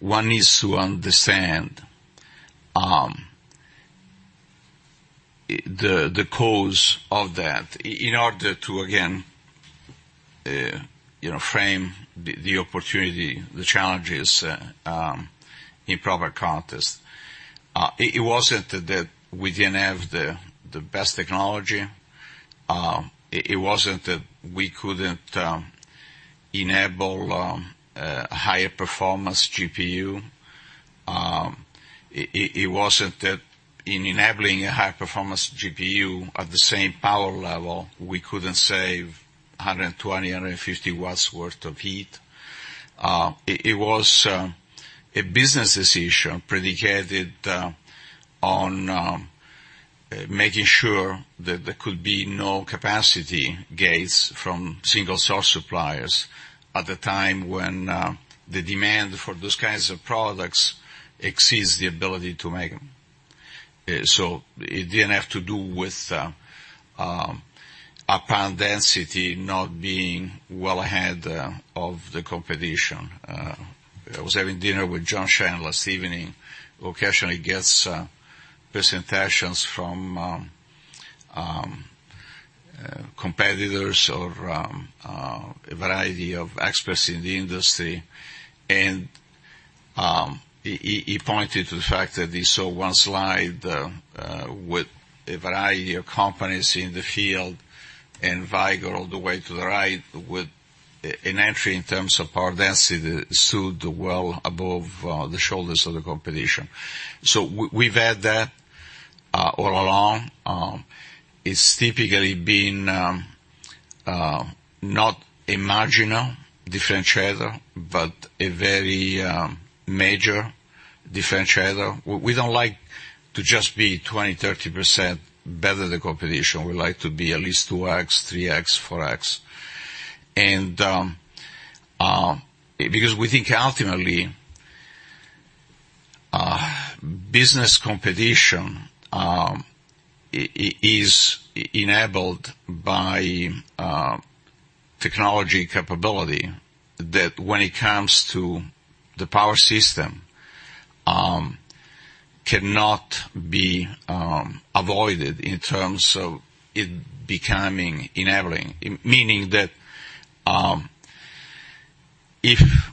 One is to understand the cause of that, in order to, again, you know, frame the opportunity, the challenges, in proper context. It wasn't that we didn't have the best technology. It wasn't that we couldn't enable a higher performance GPU. It wasn't that in enabling a high performance GPU at the same power level, we couldn't save 120, 150 watts worth of heat. It was a businesses issue predicated on making sure that there could be no capacity gains from single source suppliers at the time when the demand for those kinds of products exceeds the ability to make them. So it didn't have to do with power density not being well ahead of the competition. I was having dinner with Richard Shannon last evening, who occasionally gets presentations from competitors or a variety of experts in the industry. And he pointed to the fact that he saw one slide with a variety of companies in the field, and Vicor all the way to the right, with an entry in terms of power density that stood well above the shoulders of the competition. So we've had that all along. It's typically been not a marginal differentiator, but a very major differentiator. We don't like to just be 20, 30% better than the competition. We like to be at least 2x, 3x, 4x. Because we think ultimately business competition is enabled by technology capability, that when it comes to the power system cannot be avoided in terms of it becoming enabling. Meaning that if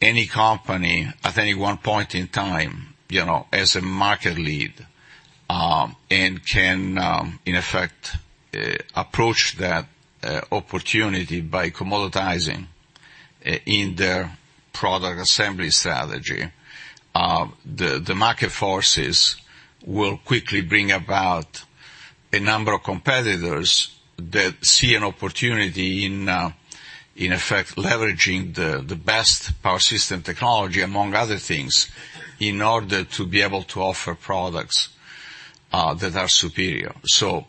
any company, at any one point in time, you know, as a market lead and can in effect approach that opportunity by commoditizing in their product assembly strategy, the market forces will quickly bring about a number of competitors that see an opportunity in in effect leveraging the best power system technology, among other things, in order to be able to offer products that are superior. So,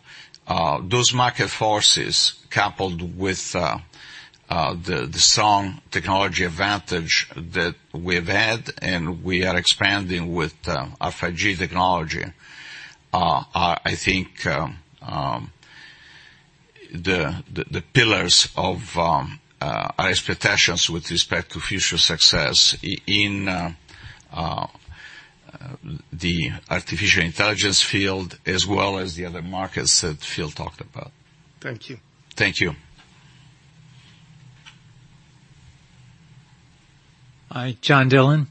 those market forces, coupled with the strong technology advantage that we've had, and we are expanding with our 5G technology, are, I think, the pillars of our expectations with respect to future success in the artificial intelligence field, as well as the other markets that Phil talked about. Thank you. Thank you. Hi, John Dillon.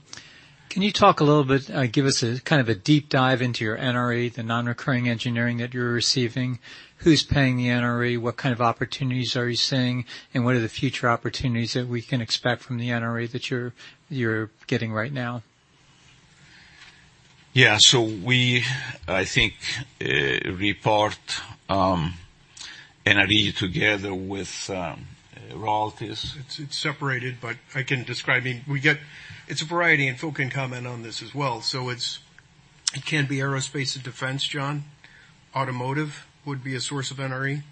Can you talk a little bit, give us a kind of a deep dive into your NRE, the non-recurring engineering that you're receiving. Who's paying the NRE? What kind of opportunities are you seeing, and what are the future opportunities that we can expect from the NRE that you're getting right now? Yeah. So we, I think, report NRE together with royalties. It's, it's separated, but I can describe it. We get... It's a variety, and Phil can comment on this as well. So it's, it can be aerospace and defense, John. Automotive would be a source of NRE,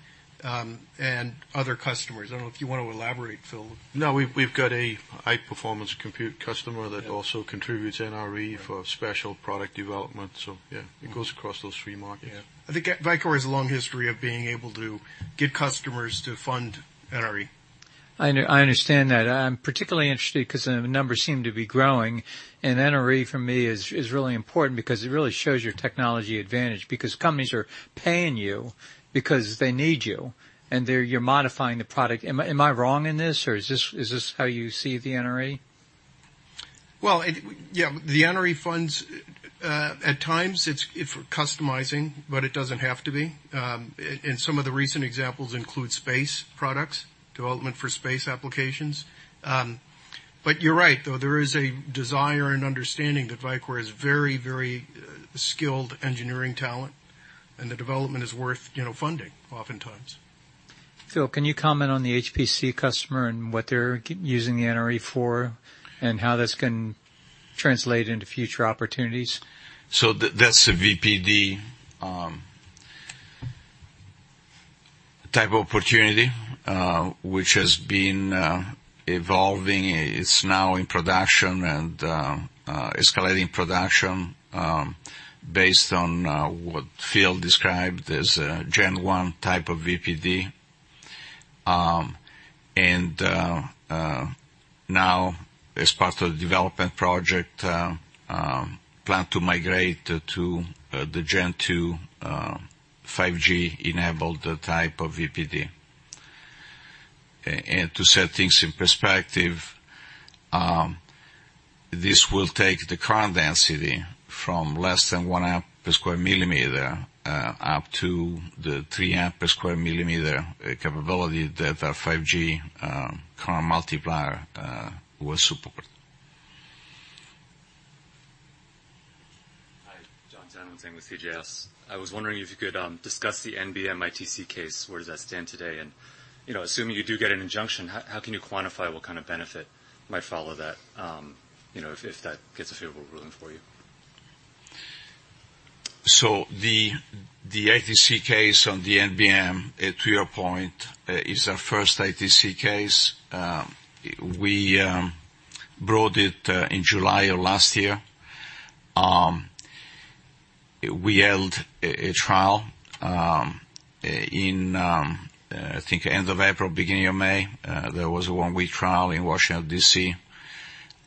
and other customers. I don't know if you want to elaborate, Phil. No, we've got a high-performance compute customer that also contributes NRE for special product development. So yeah, it goes across those three markets. Yeah. I think Vicor has a long history of being able to get customers to fund NRE. I know. I understand that. I'm particularly interested because the numbers seem to be growing, and NRE, for me, is really important because it really shows your technology advantage, because companies are paying you because they need you, and they're-- you're modifying the product. Am I wrong in this, or is this how you see the NRE? Well, yeah, the NRE funds at times it's for customizing, but it doesn't have to be. And some of the recent examples include space products, development for space applications. But you're right, though, there is a desire and understanding that Vicor is very, very skilled engineering talent, and the development is worth funding, oftentimes. Phil, can you comment on the HPC customer and what they're using the NRE for, and how this can translate into future opportunities? So that's a VPD type of opportunity, which has been evolving. It's now in production and escalating production, based on what Phil described as a Gen 1 type of VPD. And now as part of the development project, plan to migrate to the Gen 2 5G-enabled type of VPD. And to set things in perspective, this will take the current density from less than 1 amp per square millimeter up to the 3 amp per square millimeter capability that our 5G current multiplier will support. Hi, John Donovan with CJS. I was wondering if you could discuss the NBM ITC case. Where does that stand today? And, you know, assuming you do get an injunction, how can you quantify what kind of benefit might follow that, you know, if that gets a favorable ruling for you? So the ITC case on the NBM, to your point, is our first ITC case. We brought it in July of last year. We held a trial in, I think, end of April, beginning of May. There was a one-week trial in Washington, D.C.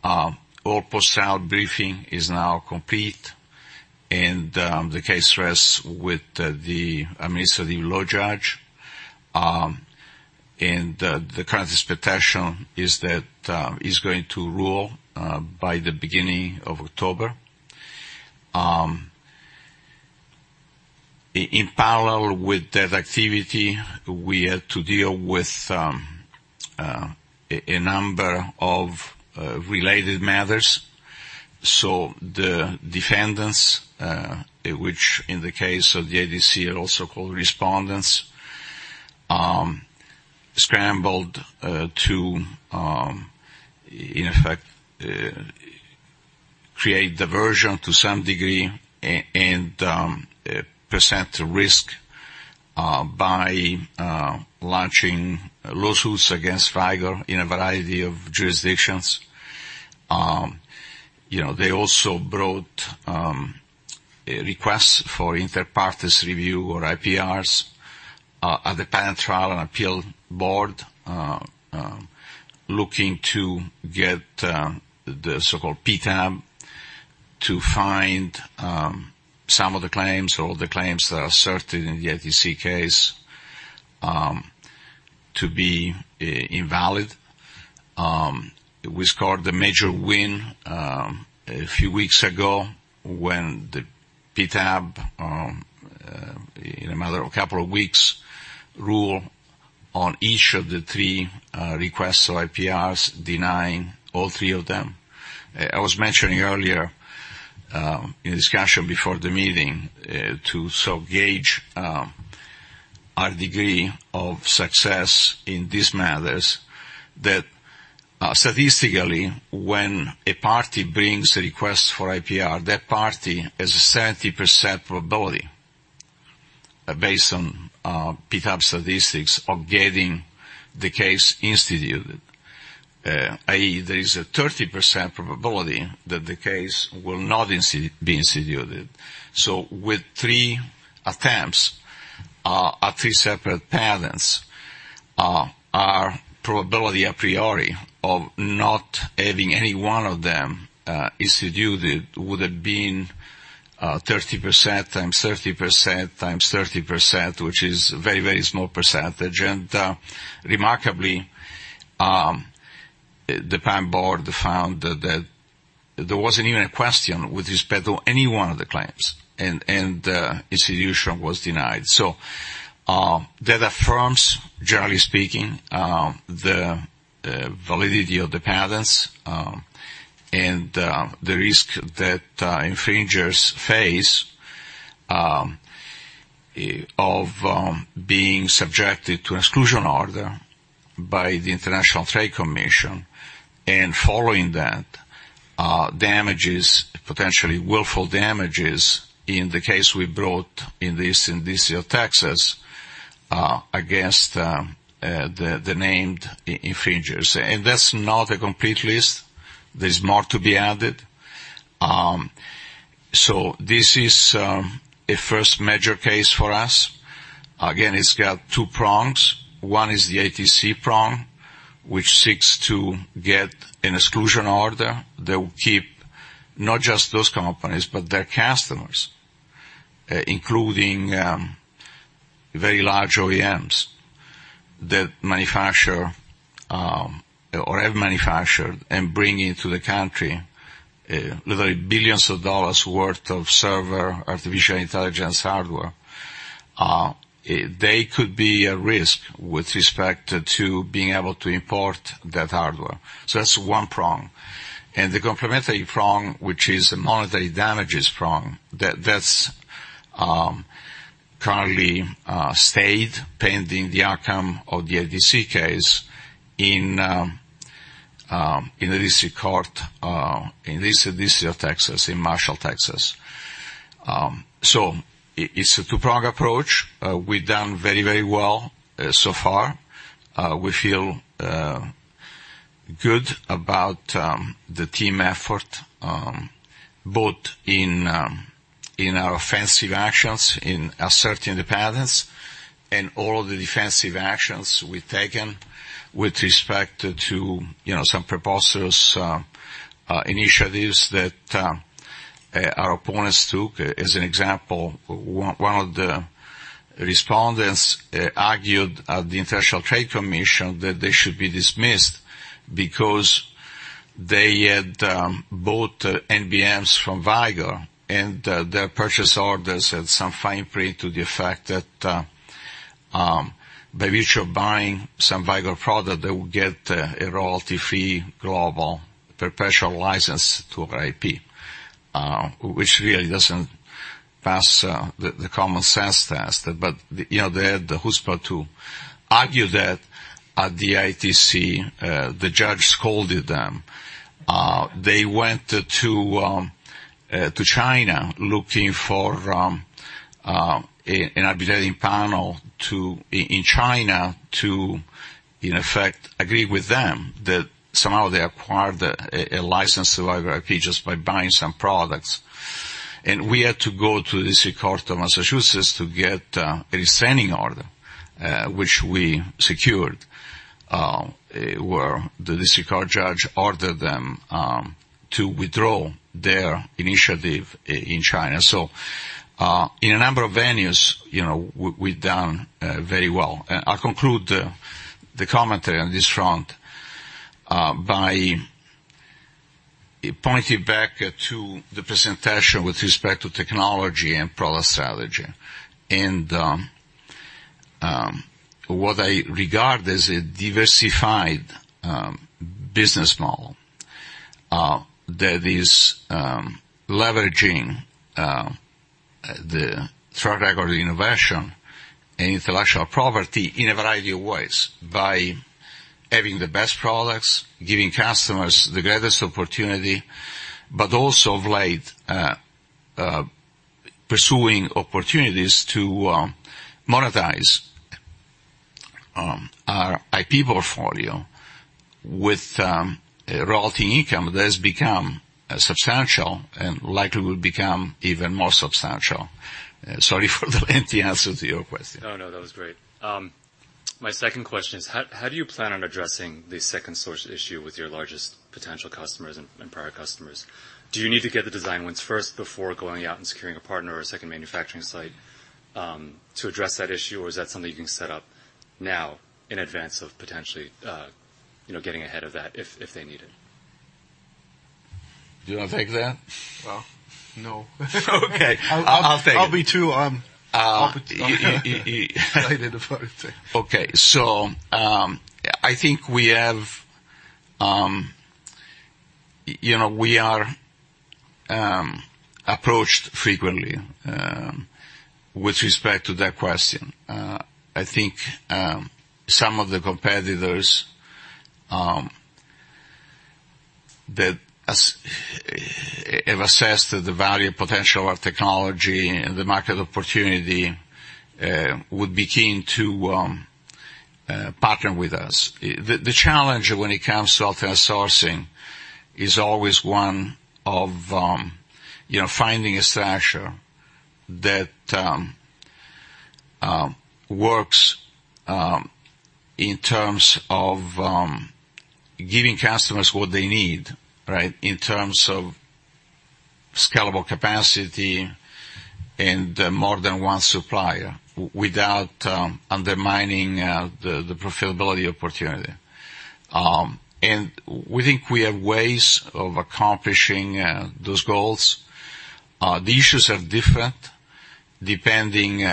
All post-trial briefing is now complete, and the case rests with the administrative law judge. And the current expectation is that he's going to rule by the beginning of October. In parallel with that activity, we had to deal with a number of related matters. So the defendants, which in the case of the ITC are also called respondents, scrambled to, in effect, create diversion to some degree and present risk by launching lawsuits against Vicor in a variety of jurisdictions. You know, they also brought a request for Inter Partes Review or IPRs at the Patent Trial and Appeal Board. Looking to get the so-called PTAB to find some of the claims or all the claims that are asserted in the ITC case to be invalid. We scored a major win a few weeks ago when the PTAB in a matter of a couple of weeks ruled on each of the 3 requests for IPRs, denying all three of them. I was mentioning earlier, in discussion before the meeting, to gauge our degree of success in these matters, that, statistically, when a party brings a request for IPR, that party has a 30% probability, based on PTAB statistics, of getting the case instituted. i.e., there is a 30% probability that the case will not be instituted. So with three attempts, at three separate patents, our probability a priori of not having any one of them, instituted, would have been, 30% times 30% times 30%, which is a very, very small percentage. And, remarkably, the patent board found that there wasn't even a question with respect to any one of the claims, and, institution was denied. So, that affirms, generally speaking, the validity of the patents, and the risk that infringers face, of being subjected to exclusion order by the International Trade Commission. And following that, damages, potentially willful damages in the case we brought in the Eastern District of Texas, against the named infringers. And that's not a complete list. There's more to be added. So this is a first major case for us. Again, it's got two prongs. One is the ITC prong, which seeks to get an exclusion order that will keep not just those companies, but their customers, including very large OEMs that manufacture or have manufactured and bring into the country, literally $ billions worth of server, artificial intelligence, hardware. They could be at risk with respect to being able to import that hardware. So that's one prong. And the complementary prong, which is the monetary damages prong, that's currently stayed pending the outcome of the ADC case in the district court in the Eastern District of Texas, in Marshall, Texas. So it's a two-prong approach. We've done very, very well so far. We feel good about the team effort both in our offensive actions in asserting the patents and all of the defensive actions we've taken with respect to, you know, some preposterous initiatives that our opponents took. As an example, one of the respondents argued at the International Trade Commission that they should be dismissed because they had bought NBMs from Vicor, and their purchase orders had some fine print to the effect that, by virtue of buying some Vicor product, they would get a royalty-free, global, professional license to our IP. Which really doesn't pass the common sense test. But, you know, they had the chutzpah to argue that at the ITC. The judge scolded them. They went to China, looking for an arbitrating panel in China to, in effect, agree with them, that somehow they acquired a license to Vicor IP just by buying some products. We had to go to the district court of Massachusetts to get a restraining order, which we secured, where the district court judge ordered them to withdraw their initiative in China. In a number of venues, you know, we've done very well. I'll conclude the commentary on this front by pointing back to the presentation with respect to technology and product strategy. What I regard as a diversified business model that is leveraging the track record of innovation and intellectual property in a variety of ways. By having the best products, giving customers the greatest opportunity, but also of late pursuing opportunities to monetize our IP portfolio with a royalty income that has become substantial and likely will become even more substantial. Sorry for the lengthy answer to your question. No, no, that was great. My second question is: how do you plan on addressing the second source issue with your largest potential customers and prior customers? Do you need to get the design wins first before going out and securing a partner or a second manufacturing site to address that issue, or is that something you can set up now in advance of potentially, you know, getting ahead of that if they need it? Do you want to take that? Well, no. Okay, I'll take it. I'll be too, Okay. So, I think we have, you know, we are approached frequently with respect to that question. I think some of the competitors that have assessed the value and potential of our technology and the market opportunity would be keen to partner with us. The challenge when it comes to alternate sourcing is always one of, you know, finding a structure that works in terms of giving customers what they need, right? In terms of scalable capacity and more than one supplier, without undermining the profitability opportunity. And we think we have ways of accomplishing those goals. The issues are different depending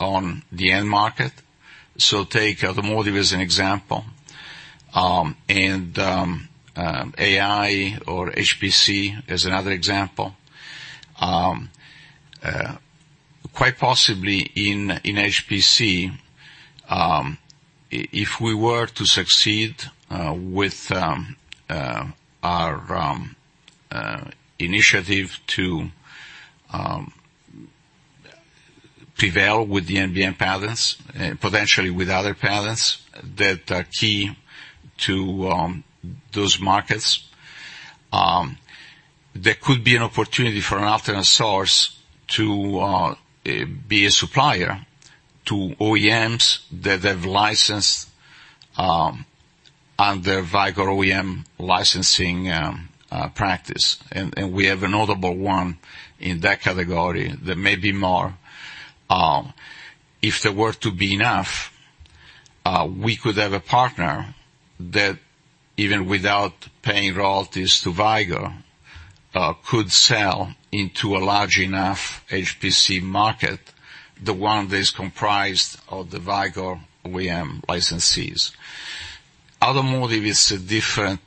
on the end market. So take automotive as an example, and AI or HPC as another example. Quite possibly in HPC, if we were to succeed with our initiative to prevail with the NBM patents, potentially with other patents that are key to those markets, there could be an opportunity for an alternate source to be a supplier to OEMs that they've licensed under Vicor OEM licensing practice. And we have a notable one in that category. There may be more. If there were to be enough, we could have a partner that even without paying royalties to Vicor, could sell into a large enough HPC market, the one that is comprised of the Vicor OEM licensees. Automotive is a different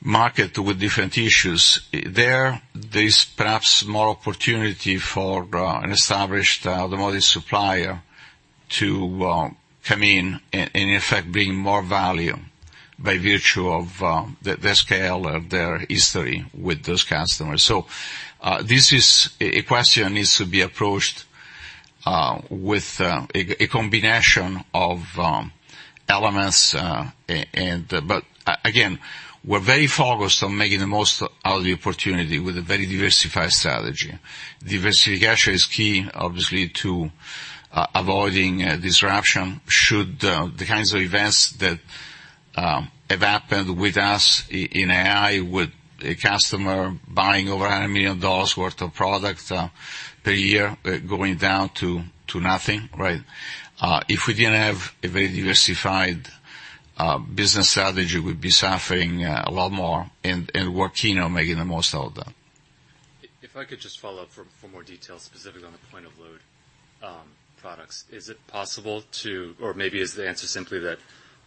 market with different issues. There is perhaps more opportunity for an established automotive supplier to come in and, in effect, bring more value... by virtue of their scale or their history with those customers. So, this is a question that needs to be approached with a combination of elements, and... But again, we're very focused on making the most out of the opportunity with a very diversified strategy. Diversification is key, obviously, to avoiding disruption should the kinds of events that have happened with us in AI, with a customer buying over $100 million worth of product per year, going down to nothing, right? If we didn't have a very diversified business strategy, we'd be suffering a lot more, and we're keen on making the most out of that. If I could just follow up for more detail specific on the point of load products. Is it possible to... Or maybe is the answer simply that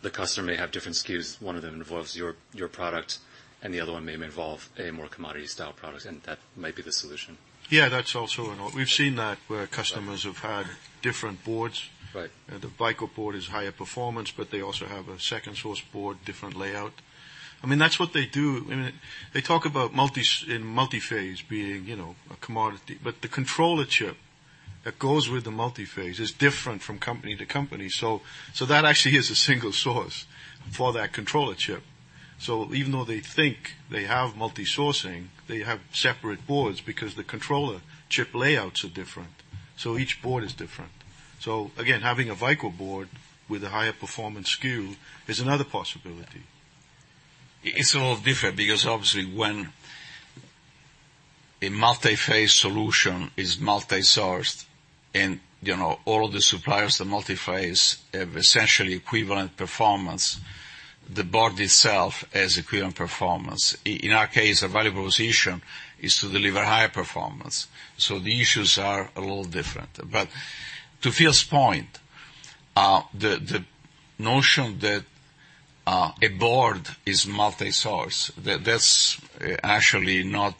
the customer may have different SKUs, one of them involves your product, and the other one may involve a more commodity-style product, and that might be the solution? Yeah, that's also. We've seen that where customers have had different boards. Right. The Vicor board is higher performance, but they also have a second source board, different layout. I mean, that's what they do. I mean, they talk about multi- in multi-phase being, you know, a commodity, but the controller chip that goes with the multi-phase is different from company to company. So, so that actually is a single source for that controller chip. So even though they think they have multi-sourcing, they have separate boards, because the controller chip layouts are different, so each board is different. So again, having a Vicor board with a higher performance SKU is another possibility. It's a little different, because obviously when a multi-phase solution is multi-sourced and, you know, all of the suppliers of the multi-phase have essentially equivalent performance, the board itself has equivalent performance. In our case, our value proposition is to deliver higher performance, so the issues are a little different. But to Phil's point, the notion that a board is multi-source, that's actually not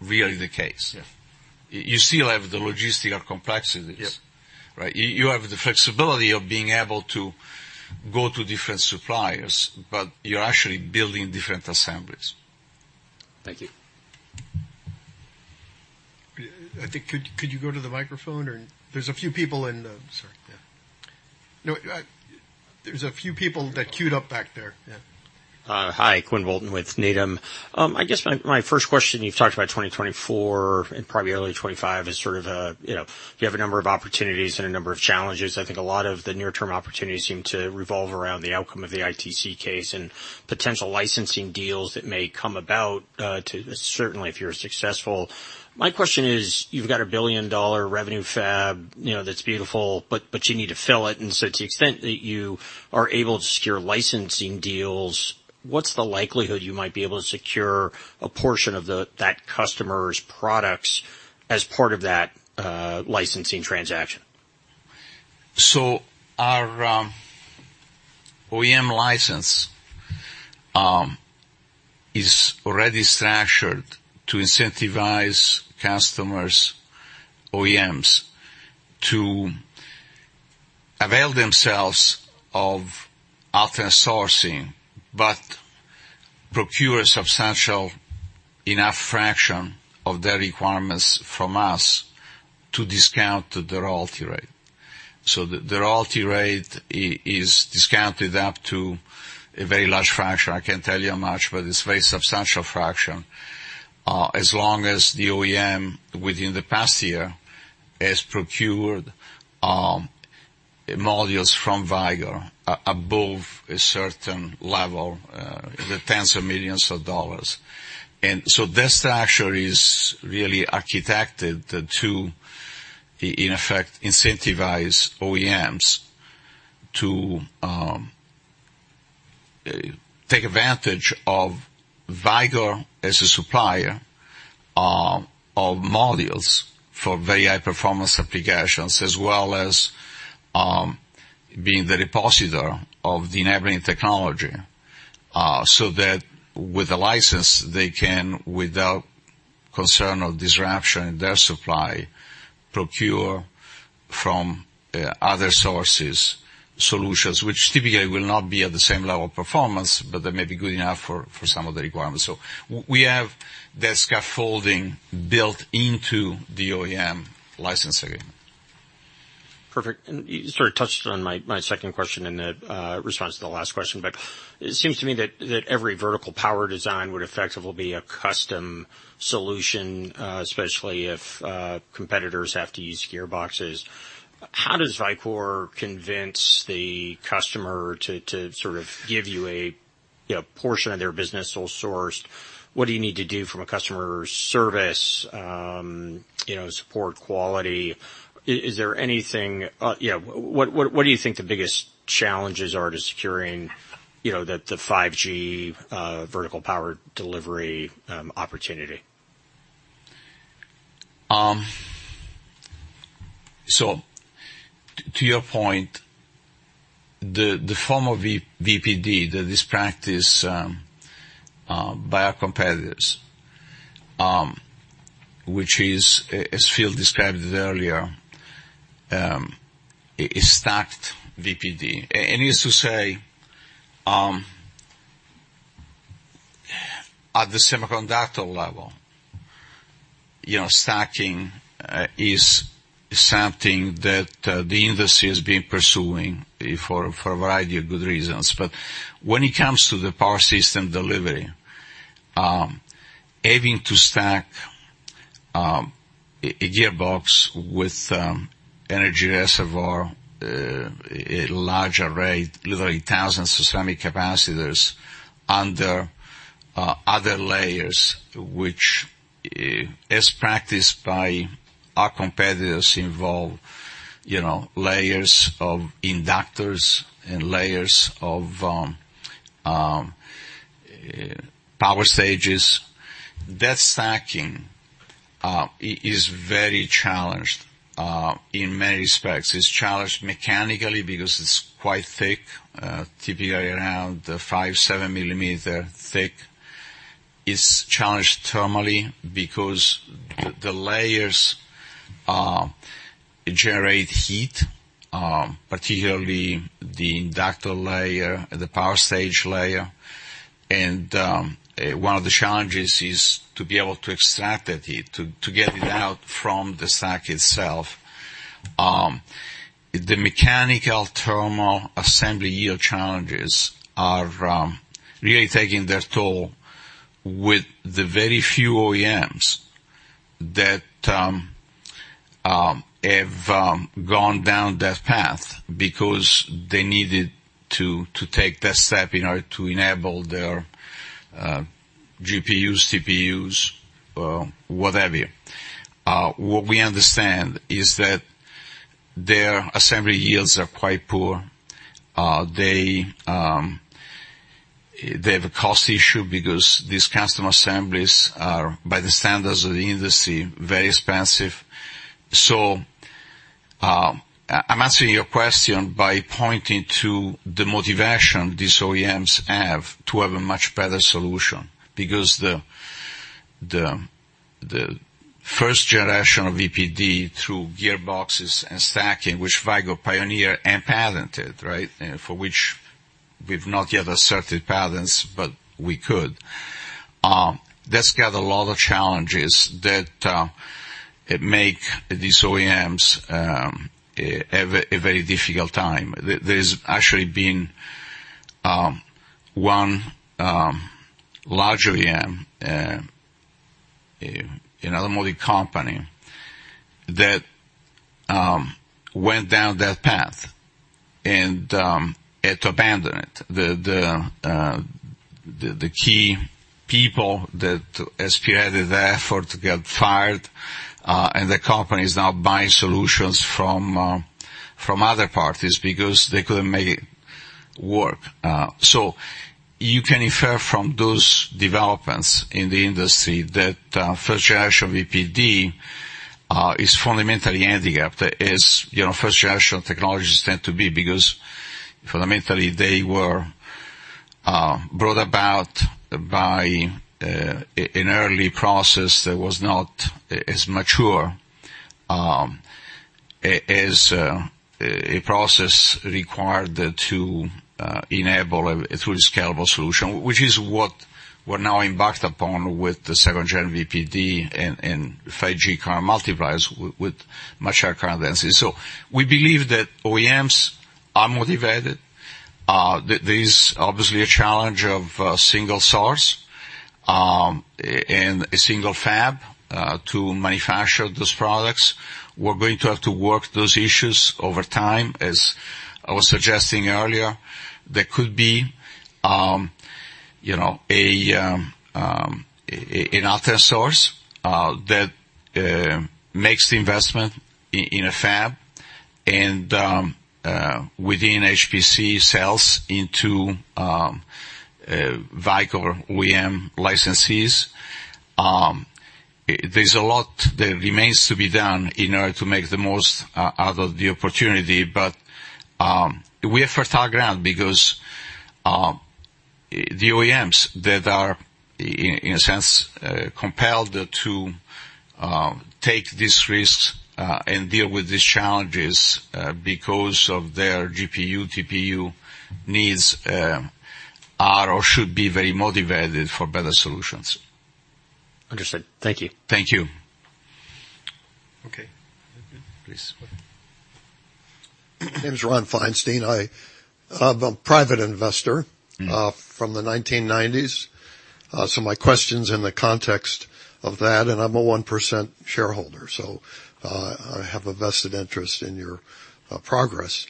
really the case. Yes. You still have the logistical complexities. Yep. Right? You have the flexibility of being able to go to different suppliers, but you're actually building different assemblies. Thank you. Could you go to the microphone or... There's a few people in. Sorry, yeah. No, there's a few people that queued up back there. Yeah. Hi, Quinn Bolton with Needham. I guess my, my first question, you've talked about 2024 and probably early 2025, is sort of, you know, you have a number of opportunities and a number of challenges. I think a lot of the near-term opportunities seem to revolve around the outcome of the ITC case and potential licensing deals that may come about to... Certainly, if you're successful. My question is: you've got a billion-dollar revenue fab, you know, that's beautiful, but, but you need to fill it. And so to the extent that you are able to secure licensing deals, what's the likelihood you might be able to secure a portion of the- that customer's products as part of that, licensing transaction? So our OEM license is already structured to incentivize customers, OEMs, to avail themselves of external sourcing, but procure a substantial enough fraction of their requirements from us to discount the royalty rate. So the royalty rate is discounted up to a very large fraction. I can't tell you how much, but it's a very substantial fraction. As long as the OEM, within the past year, has procured modules from Vicor above a certain level, $10s of millions. And so this actually is really architected to, in effect, incentivize OEMs to take advantage of Vicor as a supplier of modules for very high performance applications, as well as being the depositor of the enabling technology. So that with a license, they can, without concern of disruption in their supply, procure from other sources, solutions which typically will not be at the same level of performance, but they may be good enough for some of the requirements. So we have that scaffolding built into the OEM licensing. Perfect. And you sort of touched on my second question in the response to the last question, but it seems to me that every vertical power design would effectively be a custom solution, especially if competitors have to use gearboxes. How does Vicor convince the customer to sort of give you a you know portion of their business sole sourced? What do you need to do from a customer service, you know, support, quality? Is there anything, yeah, what do you think the biggest challenges are to securing you know the VPD vertical power delivery opportunity? So to your point, the form of VPD, this practice by our competitors, which is, as Phil described it earlier, a stacked VPD. And he used to say, at the semiconductor level, you know, stacking is something that the industry has been pursuing for a variety of good reasons. But when it comes to the power system delivery, aiming to stack a gearbox with energy reservoir, a large array, literally thousands of ceramic capacitors under other layers, which, as practiced by our competitors, involve, you know, layers of inductors and layers of power stages. That stacking is very challenged in many respects. It's challenged mechanically because it's quite thick, typically around 5-7 millimeters thick. It's challenged thermally because the layers generate heat, particularly the inductor layer, the power stage layer. One of the challenges is to be able to extract that heat, to get it out from the stack itself. The mechanical thermal assembly yield challenges are really taking their toll with the very few OEMs that have gone down that path because they needed to take that step in order to enable their GPUs, CPUs, whatever. What we understand is that their assembly yields are quite poor. They have a cost issue because these custom assemblies are, by the standards of the industry, very expensive. I'm answering your question by pointing to the motivation these OEMs have to have a much better solution. Because the first generation of VPD through gearboxes and stacking, which Vicor pioneered and patented, right? For which we've not yet asserted patents, but we could. That's got a lot of challenges that make these OEMs have a very difficult time. There's actually been one large OEM, another multi company, that went down that path, and had to abandon it. The key people that spearheaded the effort got fired, and the company is now buying solutions from other parties because they couldn't make it work. So you can infer from those developments in the industry that first generation VPD is fundamentally handicapped, as you know, first generation technologies tend to be, because fundamentally, they were brought about by an early process that was not as mature, as a process required to enable a truly scalable solution. Which is what we're now embarked upon with the second gen VPD and 5G current multipliers with much higher current density. So we believe that OEMs are motivated. There is obviously a challenge of single source and a single fab to manufacture those products. We're going to have to work those issues over time as I was suggesting earlier. There could be, you know, an alternate source that makes the investment in a fab and, within HPC, sells into Vicor OEM licensees. There's a lot that remains to be done in order to make the most out of the opportunity. But we have fertile ground because the OEMs that are, in a sense, compelled to take these risks and deal with these challenges because of their GPU, TPU needs are or should be very motivated for better solutions. Understood. Thank you. Thank you. Okay, please. My name is Ron Feinstein. I'm a private investor- Mm-hmm. From the 1990s. So my question's in the context of that, and I'm a 1% shareholder, so I have a vested interest in your progress.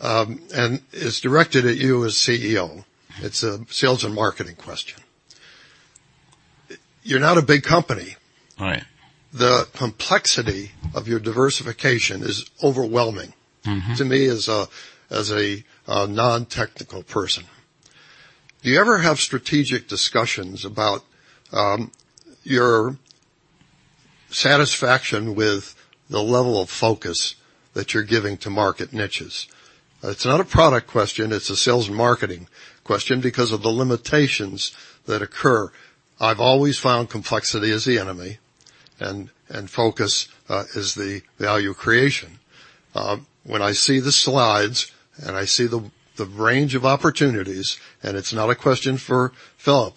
And it's directed at you as CEO. It's a sales and marketing question. You're not a big company. Right. The complexity of your diversification is overwhelming- Mm-hmm. To me, as a non-technical person. Do you ever have strategic discussions about satisfaction with the level of focus that you're giving to market niches. It's not a product question, it's a sales and marketing question, because of the limitations that occur. I've always found complexity is the enemy, and focus is the value creation. When I see the slides, and I see the range of opportunities, and it's not a question for Philip,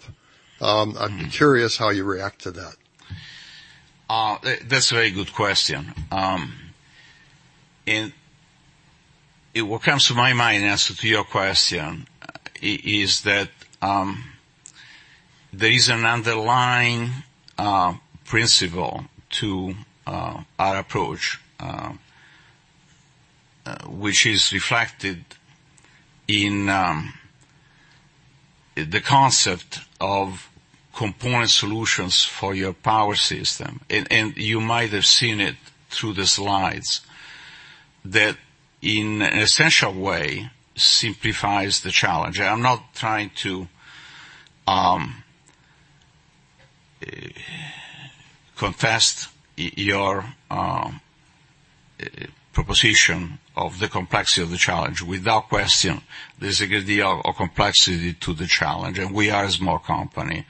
I'm curious how you react to that. That's a very good question. And what comes to my mind as an answer to your question, is that there is an underlying principle to our approach, which is reflected in the concept of component solutions for your power system. And you might have seen it through the slides, that in an essential way, simplifies the challenge. I'm not trying to contest your proposition of the complexity of the challenge. Without question, there's a good deal of complexity to the challenge, and we are a small company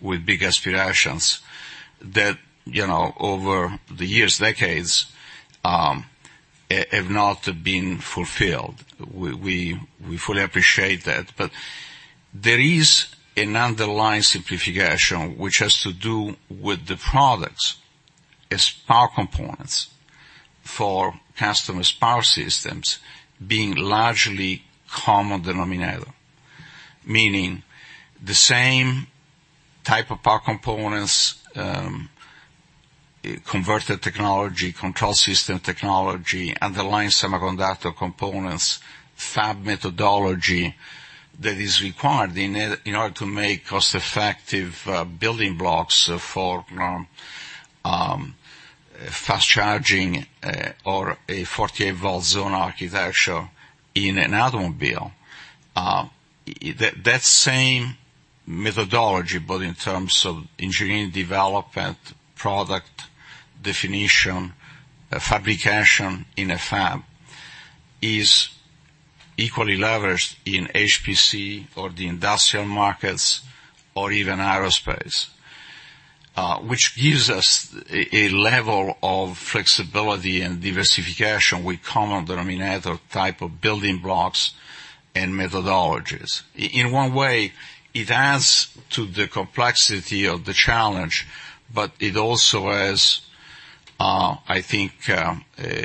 with big aspirations that, you know, over the years, decades, have not been fulfilled. We fully appreciate that. But there is an underlying simplification, which has to do with the products as power components for customers' power systems being largely common denominator. Meaning the same type of power components, converter technology, control system technology, underlying semiconductor components, fab methodology that is required in order to make cost-effective, building blocks for fast charging or a 48-volt zone architecture in an automobile. That same methodology, but in terms of engineering development, product definition, fabrication in a fab, is equally leveraged in HPC or the industrial markets or even aerospace. Which gives us a level of flexibility and diversification with common denominator type of building blocks and methodologies. In one way, it adds to the complexity of the challenge, but it also has, I think,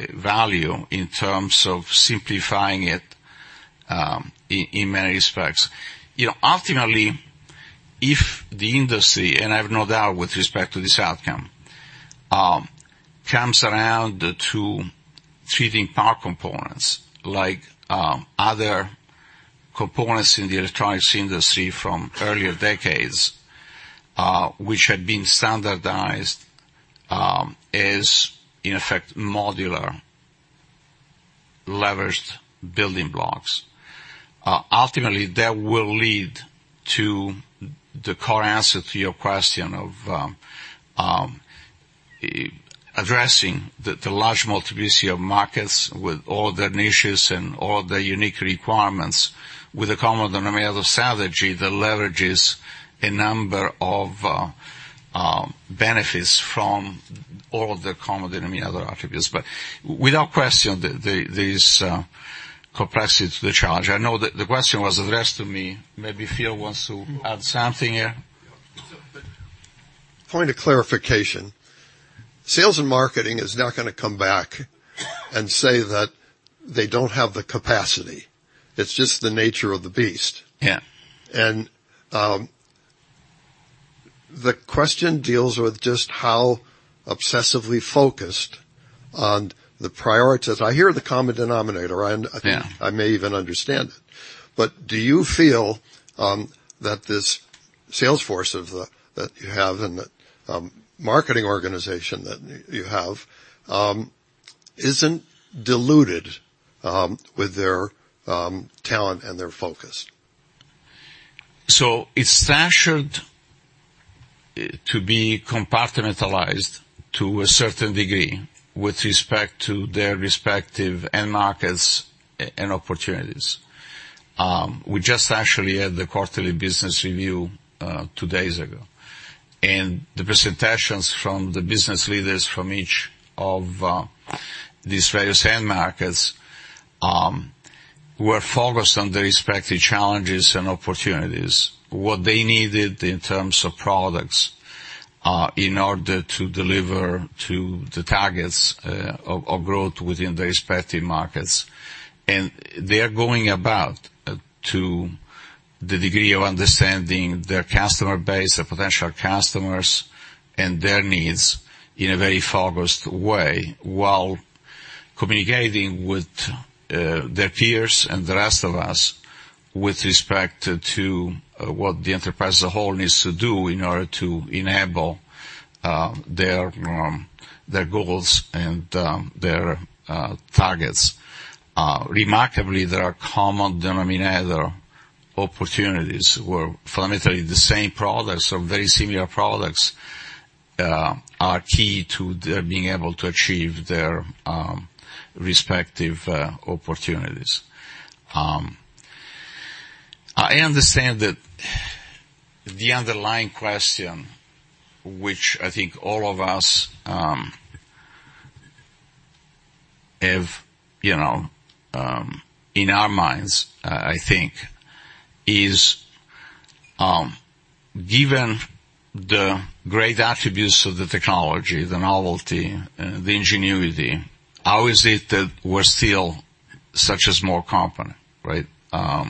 value in terms of simplifying it, in many respects. You know, ultimately, if the industry, and I have no doubt with respect to this outcome, comes around to treating power components like, other components in the electronics industry from earlier decades, which had been standardized, as in effect, modular, leveraged building blocks. Ultimately, that will lead to the core answer to your question of, addressing the large multiplicity of markets with all their niches and all their unique requirements, with a common denominator strategy that leverages a number of benefits from all of the common denominator attributes. But without question, there's a complexity to the challenge. I know that the question was addressed to me. Maybe Phil wants to add something here. Point of clarification. Sales and marketing is not gonna come back and say that they don't have the capacity. It's just the nature of the beast. Yeah. The question deals with just how obsessively focused on the priorities... I hear the common denominator, and- Yeah... I may even understand it. But do you feel, that this sales force of the, that you have and the, marketing organization that you have, isn't diluted, with their, talent and their focus? So it's fashioned to be compartmentalized to a certain degree with respect to their respective end markets and opportunities. We just actually had the quarterly business review two days ago, and the presentations from the business leaders from each of these various end markets were focused on the respective challenges and opportunities, what they needed in terms of products in order to deliver to the targets of growth within their respective markets. And they are going about to the degree of understanding their customer base, their potential customers, and their needs in a very focused way, while communicating with their peers and the rest of us with respect to what the enterprise as a whole needs to do in order to enable their goals and their targets. Remarkably, there are common denominator-... opportunities where fundamentally the same products or very similar products are key to their being able to achieve their respective opportunities. I understand that the underlying question, which I think all of us have, you know, in our minds, I think, is given the great attributes of the technology, the novelty, the ingenuity, how is it that we're still such a small company, right? You,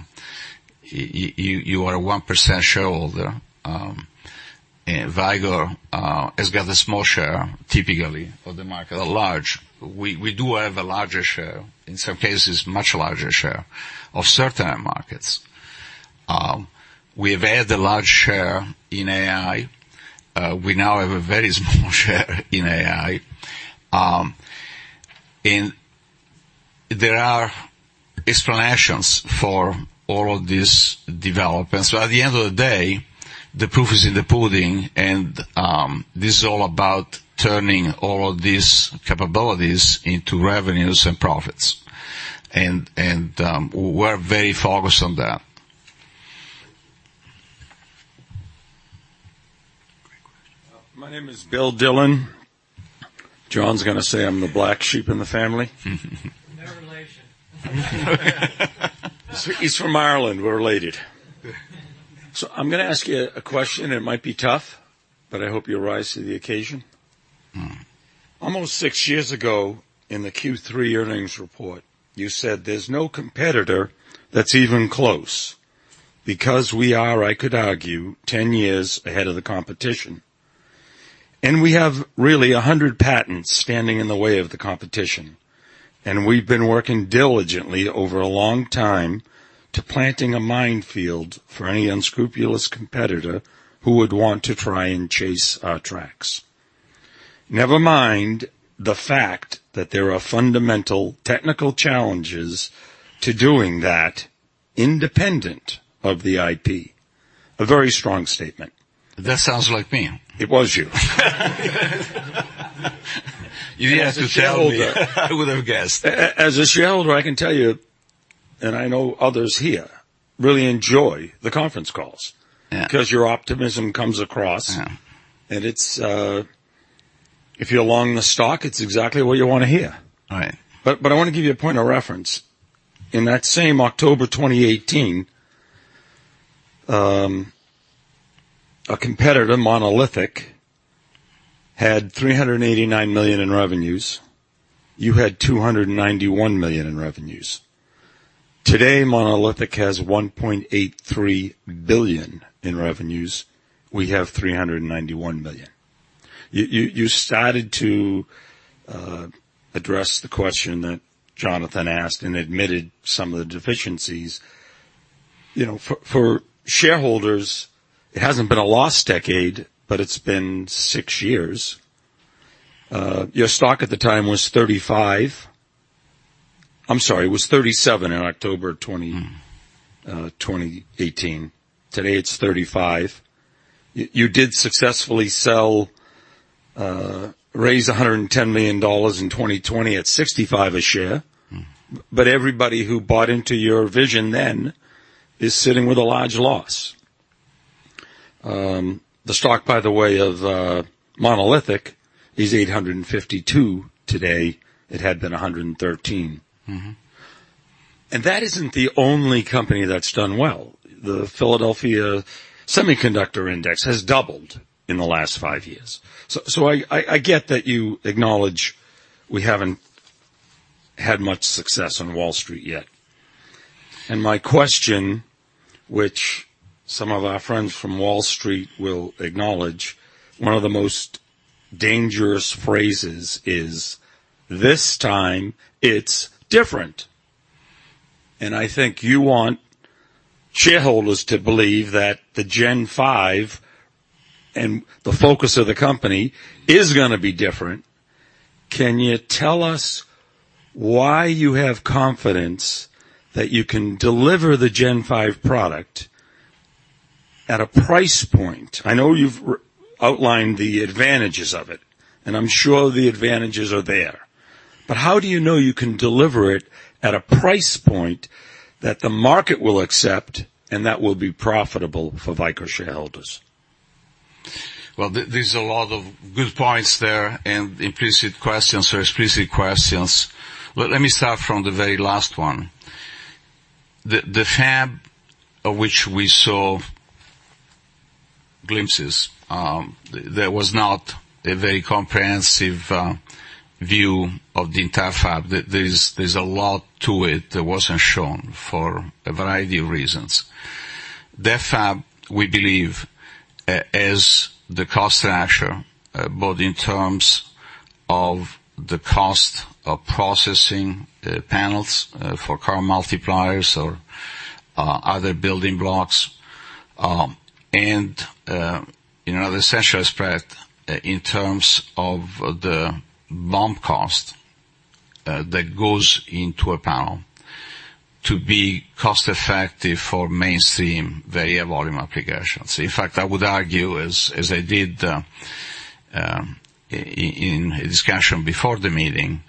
you are a 1% shareholder. And Vicor has got a small share, typically, of the market, a large... We, we do have a larger share, in some cases, much larger share of certain markets. We've had a large share in AI. We now have a very small share in AI. There are explanations for all of these developments, but at the end of the day, the proof is in the pudding, and this is all about turning all of these capabilities into revenues and profits. We're very focused on that. Great question. My name is Bill Dylan. John's gonna say I'm the black sheep in the family. No relation. He's from Ireland. We're related. So I'm gonna ask you a question, it might be tough, but I hope you rise to the occasion. Mm-hmm. Almost six years ago, in the Q3 earnings report, you said, "There's no competitor that's even close because we are, I could argue, 10 years ahead of the competition, and we have really 100 patents standing in the way of the competition. And we've been working diligently over a long time to planting a minefield for any unscrupulous competitor who would want to try and chase our tracks. Never mind the fact that there are fundamental technical challenges to doing that, independent of the IP." A very strong statement. That sounds like me. It was you. You didn't have to tell me. As a shareholder- I would have guessed. As a shareholder, I can tell you, and I know others here, really enjoy the conference calls. Yeah. Because your optimism comes across. Yeah. It's, if you're along the stock, it's exactly what you wanna hear. Right. But I wanna give you a point of reference. In that same October 2018, a competitor, Monolithic, had $389 million in revenues. You had $291 million in revenues. Today, Monolithic has $1.83 billion in revenues. We have $391 million. You started to address the question that Jonathan asked and admitted some of the deficiencies. You know, for shareholders, it hasn't been a lost decade, but it's been six years. Your stock at the time was $35. I'm sorry, it was $37 in October 2018. Today, it's $35. You did successfully sell, raise $110 million in 2020 at $65 a share. Mm. Everybody who bought into your vision then is sitting with a large loss. The stock, by the way, of Monolithic, is $852 today. It had been $113. Mm-hmm. And that isn't the only company that's done well. The Philadelphia Semiconductor Index has doubled in the last five years. So, so I, I get that you acknowledge we haven't had much success on Wall Street yet. And my question, which some of our friends from Wall Street will acknowledge, one of the most dangerous phrases is, "This time, it's different." And I think you want shareholders to believe that the Gen 5 and the focus of the company is gonna be different. Can you tell us why you have confidence that you can deliver the Gen 5 product at a price point? I know you've outlined the advantages of it, and I'm sure the advantages are there. But how do you know you can deliver it at a price point that the market will accept and that will be profitable for Vicor shareholders? Well, there's a lot of good points there, and implicit questions or explicit questions. But let me start from the very last one. The fab of which we saw glimpses, there was not a very comprehensive view of the entire fab. There's a lot to it that wasn't shown for a variety of reasons. The fab, we believe, is the cost crusher, both in terms of the cost of processing panels for current multipliers or other building blocks. And you know, the essential spread in terms of the bump cost that goes into a panel to be cost effective for mainstream very high volume applications. In fact, I would argue, as I did in a discussion before the meeting,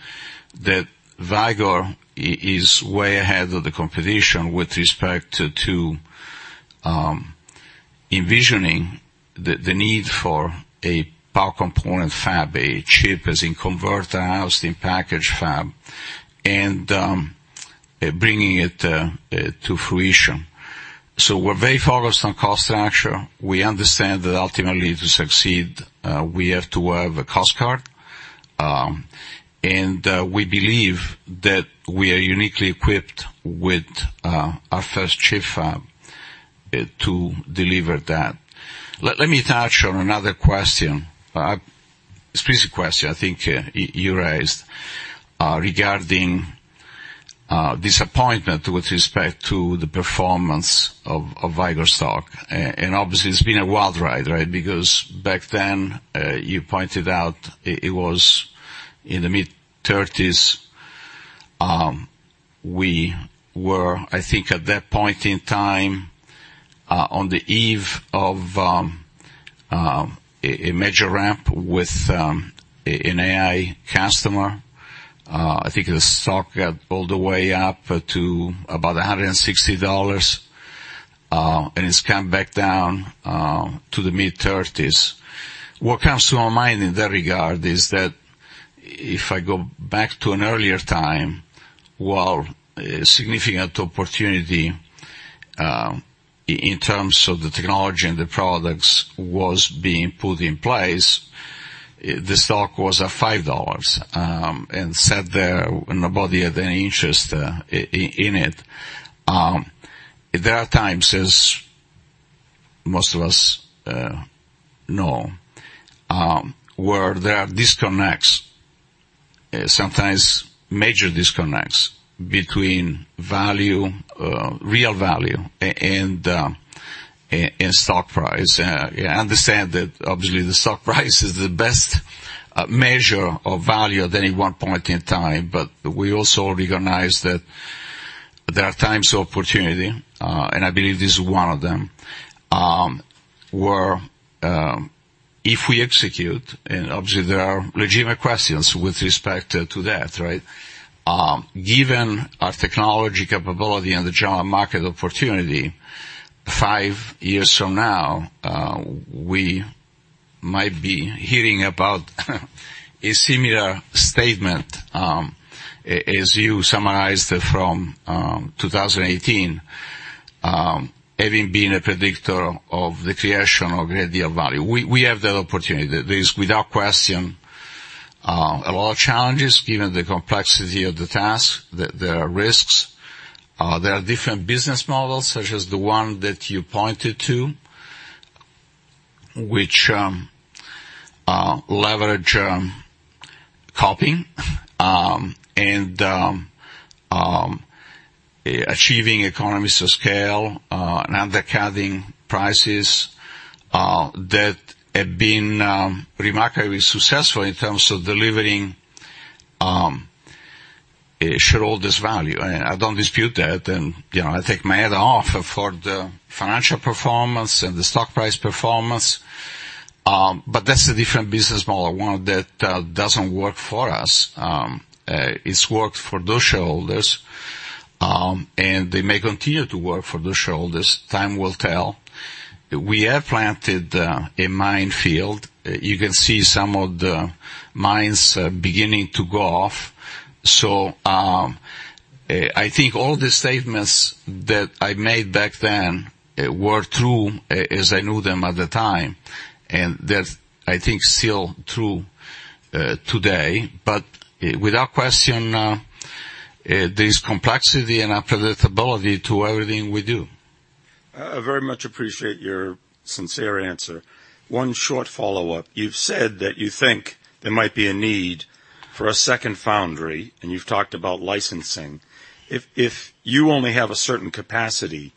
that Vicor is way ahead of the competition with respect to envisioning the need for a power component fab, a chip, as in converter, housing, package fab, and bringing it to fruition. So we're very focused on cost structure. We understand that ultimately to succeed we have to have a cost card. And we believe that we are uniquely equipped with our first chip fab to deliver that. Let me touch on another question. Specific question I think you raised regarding disappointment with respect to the performance of Vicor stock. And obviously it's been a wild ride, right? Because back then you pointed out it was in the mid-30s. We were, I think at that point in time, on the eve of a major ramp with an AI customer. I think the stock got all the way up to about $160, and it's come back down to the mid-thirties. What comes to my mind in that regard is that if I go back to an earlier time, while a significant opportunity in terms of the technology and the products was being put in place, the stock was at $5, and sat there, and nobody had any interest in it. There are times, as most of us know, where there are disconnects, sometimes major disconnects, between value, real value and stock price. I understand that obviously, the stock price is the best measure of value at any one point in time, but we also recognize that there are times of opportunity, and I believe this is one of them, where, if we execute, and obviously there are legitimate questions with respect to that, right? Given our technology capability and the general market opportunity, five years from now, we might be hearing about a similar statement, as you summarized from 2018, having been a predictor of the creation of great deal value. We, we have that opportunity. There is, without question, a lot of challenges given the complexity of the task. There are risks. There are different business models, such as the one that you pointed to, which leverage and achieving economies of scale and undercutting prices that have been remarkably successful in terms of delivering shareholders' value. I don't dispute that, and, you know, I take my hat off for the financial performance and the stock price performance, but that's a different business model, one that doesn't work for us. It's worked for those shareholders, and they may continue to work for those shareholders. Time will tell. We have planted a minefield. You can see some of the mines beginning to go off. I think all the statements that I made back then were true, as I knew them at the time, and that's, I think, still true today. But without question, there's complexity and unpredictability to everything we do. I very much appreciate your sincere answer. One short follow-up. You've said that you think there might be a need for a second foundry, and you've talked about licensing. If you only have a certain capacity,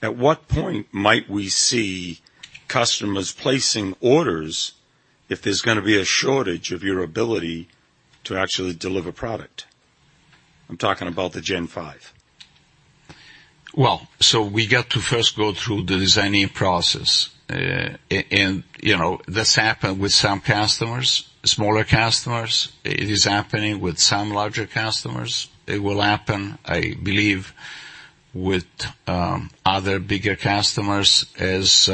at what point might we see customers placing orders if there's gonna be a shortage of your ability to actually deliver product? I'm talking about the Gen 5. Well, so we got to first go through the designing process. And, you know, that's happened with some customers, smaller customers. It is happening with some larger customers. It will happen, I believe, with other bigger customers as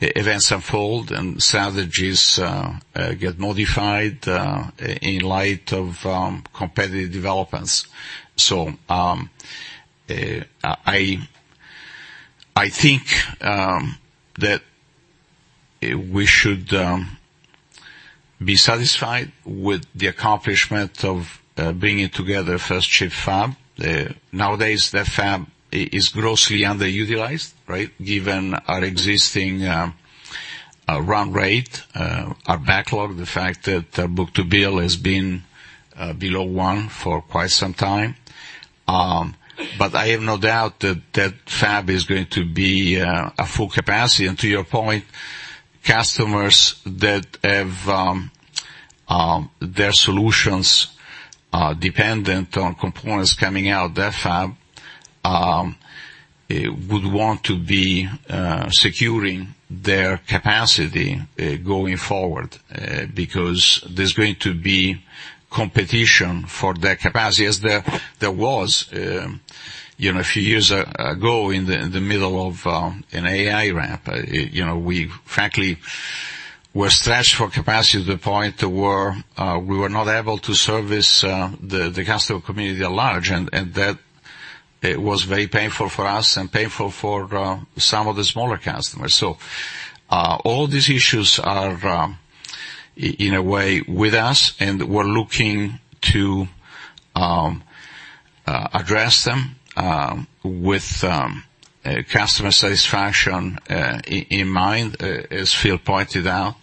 events unfold and strategies get modified in light of competitive developments. So, I think that we should be satisfied with the accomplishment of bringing together first chip fab. Nowadays, that fab is grossly underutilized, right? Given our existing run rate, our backlog, the fact that book-to-bill has been below one for quite some time... But I have no doubt that that fab is going to be at full capacity. And to your point, customers that have their solutions are dependent on components coming out of that fab would want to be securing their capacity going forward. Because there's going to be competition for that capacity, as there was, you know, a few years ago in the middle of an AI ramp. You know, we frankly were stretched for capacity to the point where we were not able to service the customer community at large, and that it was very painful for us and painful for some of the smaller customers. So all these issues are in a way with us, and we're looking to address them with customer satisfaction in mind, as Phil pointed out.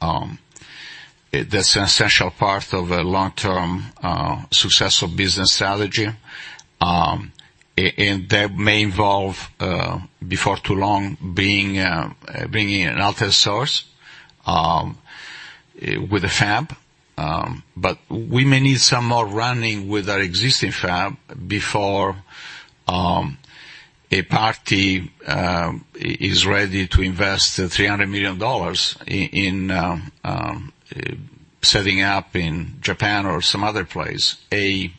That's an essential part of a long-term, successful business strategy. And that may involve, before too long, bringing in an alternate source with a fab. But we may need some more running with our existing fab before a party is ready to invest $300 million in setting up in Japan or some other place a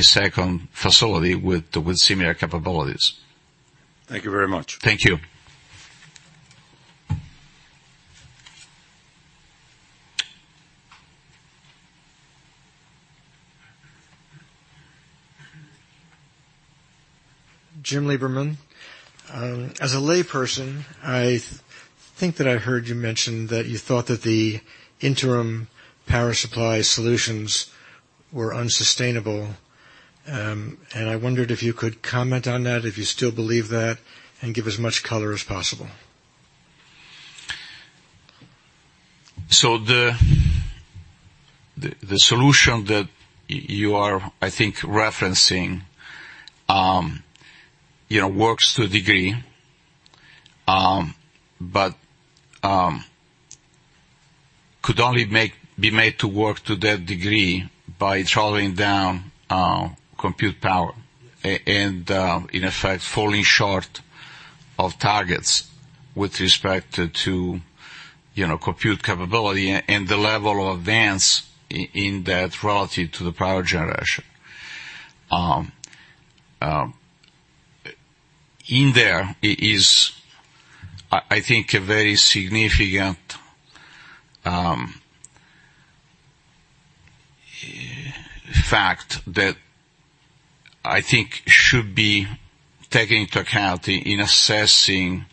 second facility with similar capabilities. Thank you very much. Thank you. Jim Lieberman. As a layperson, I think that I heard you mention that you thought that the interim power supply solutions were unsustainable. I wondered if you could comment on that, if you still believe that, and give as much color as possible? So the solution that you are, I think, referencing, you know, works to a degree, but could only be made to work to that degree by throttling down compute power, and in effect, falling short of targets with respect to, you know, compute capability and the level of advance in that relative to the power generation. There is, I think, a very significant fact that I think should be taken into account in assessing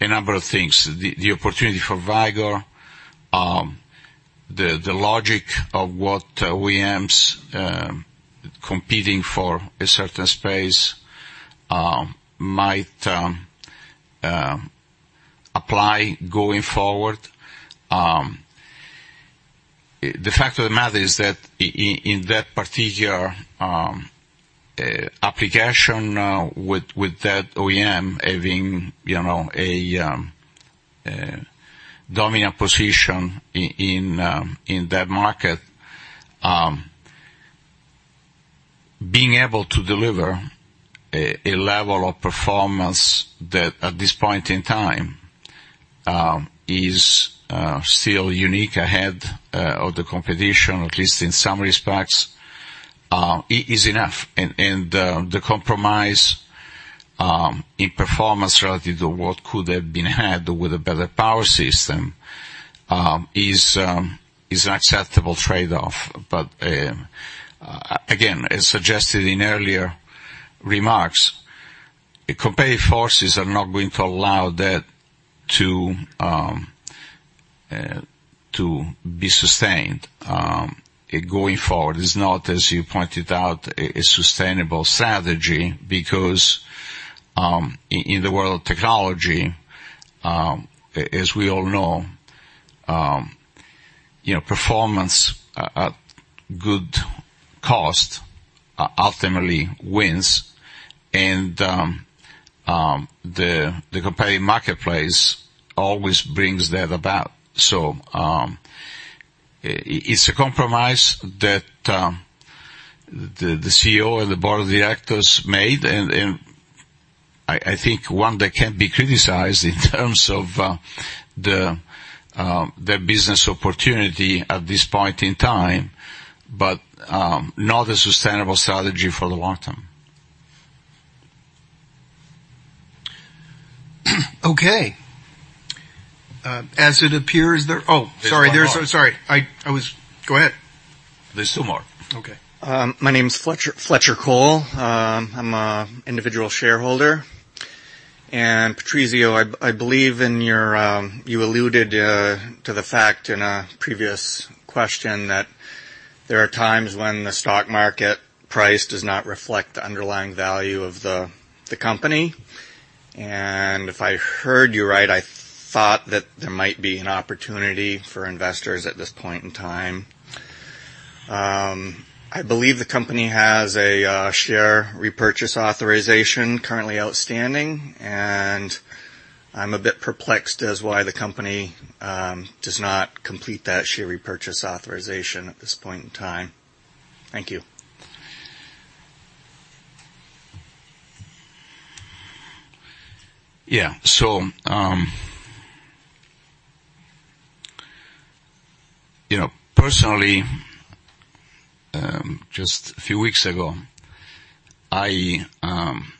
a number of things. The opportunity for Vicor, the logic of what OEMs competing for a certain space might apply going forward. The fact of the matter is that in that particular application, with that OEM having, you know, a dominant position in that market, being able to deliver a level of performance that at this point in time is still unique ahead of the competition, at least in some respects, is enough. And the compromise in performance relative to what could have been had with a better power system is an acceptable trade-off. But again, as suggested in earlier remarks, competitive forces are not going to allow that to be sustained going forward. It's not, as you pointed out, a sustainable strategy, because in the world of technology, as we all know, you know, performance at good cost ultimately wins, and the competitive marketplace always brings that about. So, it's a compromise that the CEO and the board of directors made, and I think one that can't be criticized in terms of the business opportunity at this point in time, but not a sustainable strategy for the long term. Okay. As it appears there... Oh, sorry. Sorry, I was... Go ahead. There's 2 more. Okay. My name is Fletcher, Fletcher Cole. I'm a individual shareholder. And Patrizio, I, I believe in your... You alluded to the fact in a previous question, that there are times when the stock market price does not reflect the underlying value of the company. And if I heard you right, I thought that there might be an opportunity for investors at this point in time. I believe the company has a share repurchase authorization currently outstanding, and I'm a bit perplexed as why the company does not complete that share repurchase authorization at this point in time. Thank you. Yeah. So, you know, personally, just a few weeks ago, I purchased,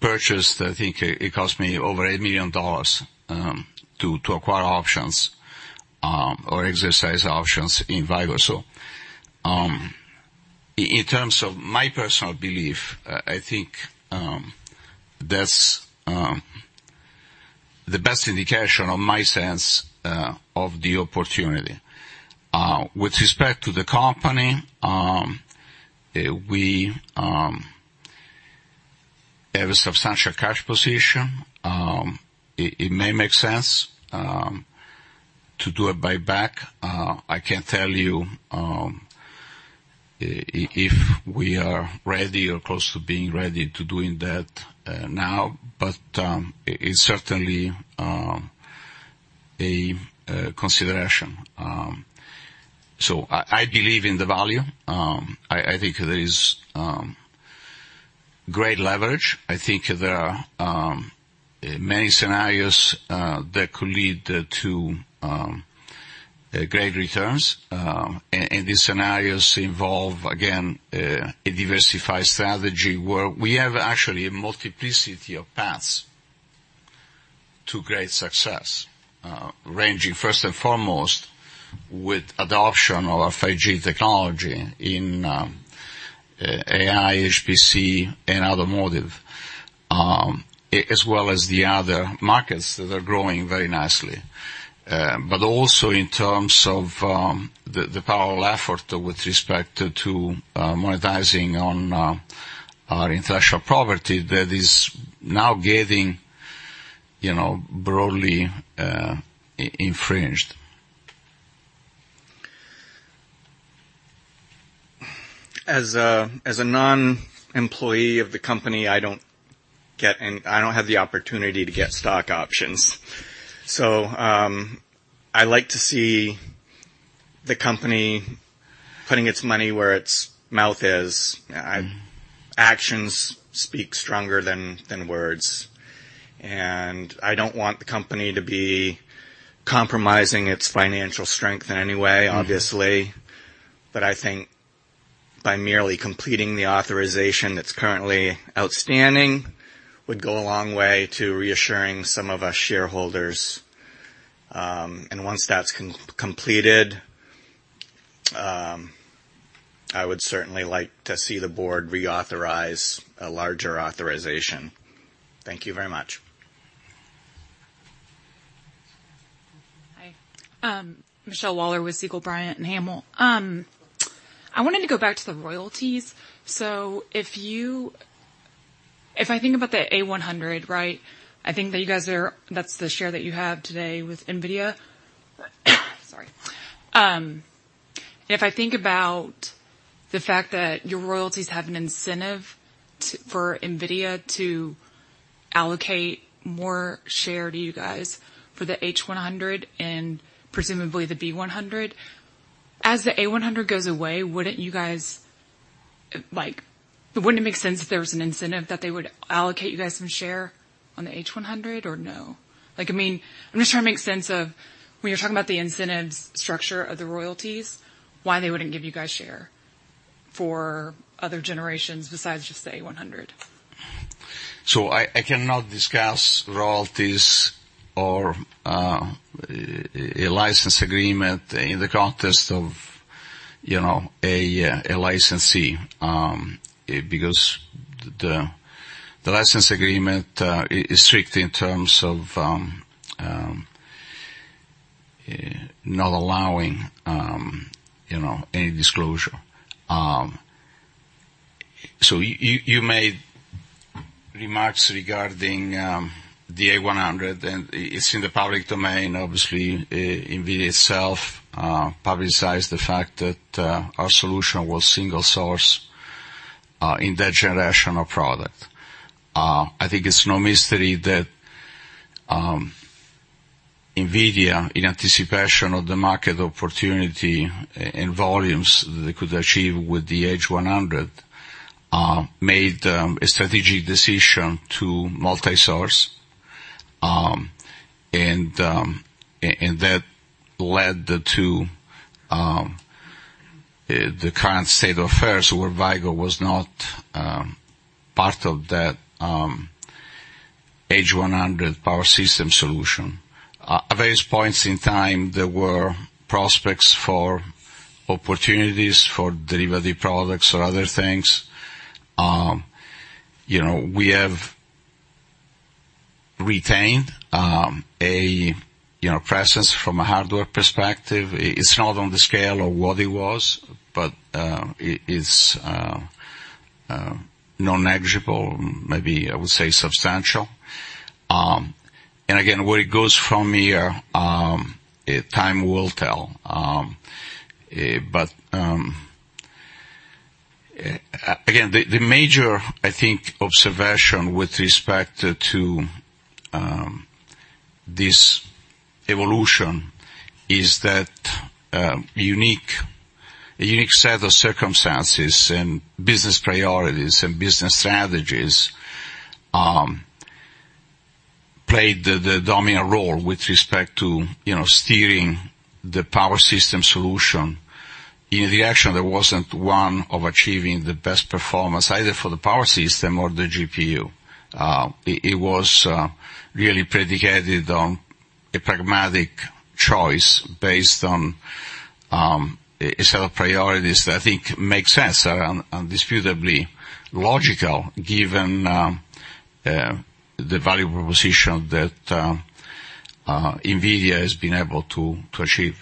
I think it cost me over $8 million to acquire options or exercise options in Vicor. So, in terms of my personal belief, I think that's the best indication of my sense of the opportunity. With respect to the company, we have a substantial cash position. It may make sense to do a buyback. I can't tell you if we are ready or close to being ready to doing that now, but it's certainly a consideration. So I believe in the value. I think there is great leverage. I think there are many scenarios that could lead to great returns. And these scenarios involve, again, a diversified strategy where we have actually a multiplicity of paths to great success, ranging first and foremost with adoption of our 5G technology in, AI, HPC, and automotive, as well as the other markets that are growing very nicely. But also in terms of, the parallel effort with respect to, monetizing on, our intellectual property, that is now getting, you know, broadly, infringed. As a non-employee of the company, I don't have the opportunity to get stock options. So, I like to see the company putting its money where its mouth is. Actions speak stronger than words. And I don't want the company to be compromising its financial strength in any way, obviously. Mm-hmm. But I think by merely completing the authorization that's currently outstanding would go a long way to reassuring some of us shareholders. And once that's completed, I would certainly like to see the board reauthorize a larger authorization. Thank you very much. Hi, Michelle Waller with Segall Bryant & Hamill. I wanted to go back to the royalties. So if you-- if I think about the A100, right? I think that you guys are, that's the share that you have today with NVIDIA. Sorry. If I think about the fact that your royalties have an incentive to, for NVIDIA to allocate more share to you guys for the H100 and presumably the B100, as the A100 goes away, wouldn't you guys, like, wouldn't it make sense if there was an incentive that they would allocate you guys some share on the H100 or no? Like, I mean, I'm just trying to make sense of when you're talking about the incentives structure of the royalties, why they wouldn't give you guys share for other generations besides just the A100. So I cannot discuss royalties or a license agreement in the context of, you know, a licensee, because the license agreement is strict in terms of not allowing, you know, any disclosure. So you made remarks regarding the A100, and it's in the public domain. Obviously, NVIDIA itself publicized the fact that our solution was single source in that generational product. I think it's no mystery that NVIDIA, in anticipation of the market opportunity and volumes they could achieve with the H100, made a strategic decision to multisource. And that led to the current state of affairs, where Vicor was not part of that H100 power system solution. At various points in time, there were prospects for opportunities for derivative products or other things. You know, we have retained a you know presence from a hardware perspective. It's not on the scale of what it was, but it is non-negligible, maybe I would say substantial. And again, where it goes from here, time will tell. But... Again, the major, I think, observation with respect to this evolution is that a unique set of circumstances and business priorities and business strategies played the dominant role with respect to you know steering the power system solution. In reaction, there wasn't one of achieving the best performance, either for the power system or the GPU. It was really predicated on a pragmatic choice based on a set of priorities that I think makes sense, are undisputably logical, given the value proposition that NVIDIA has been able to achieve.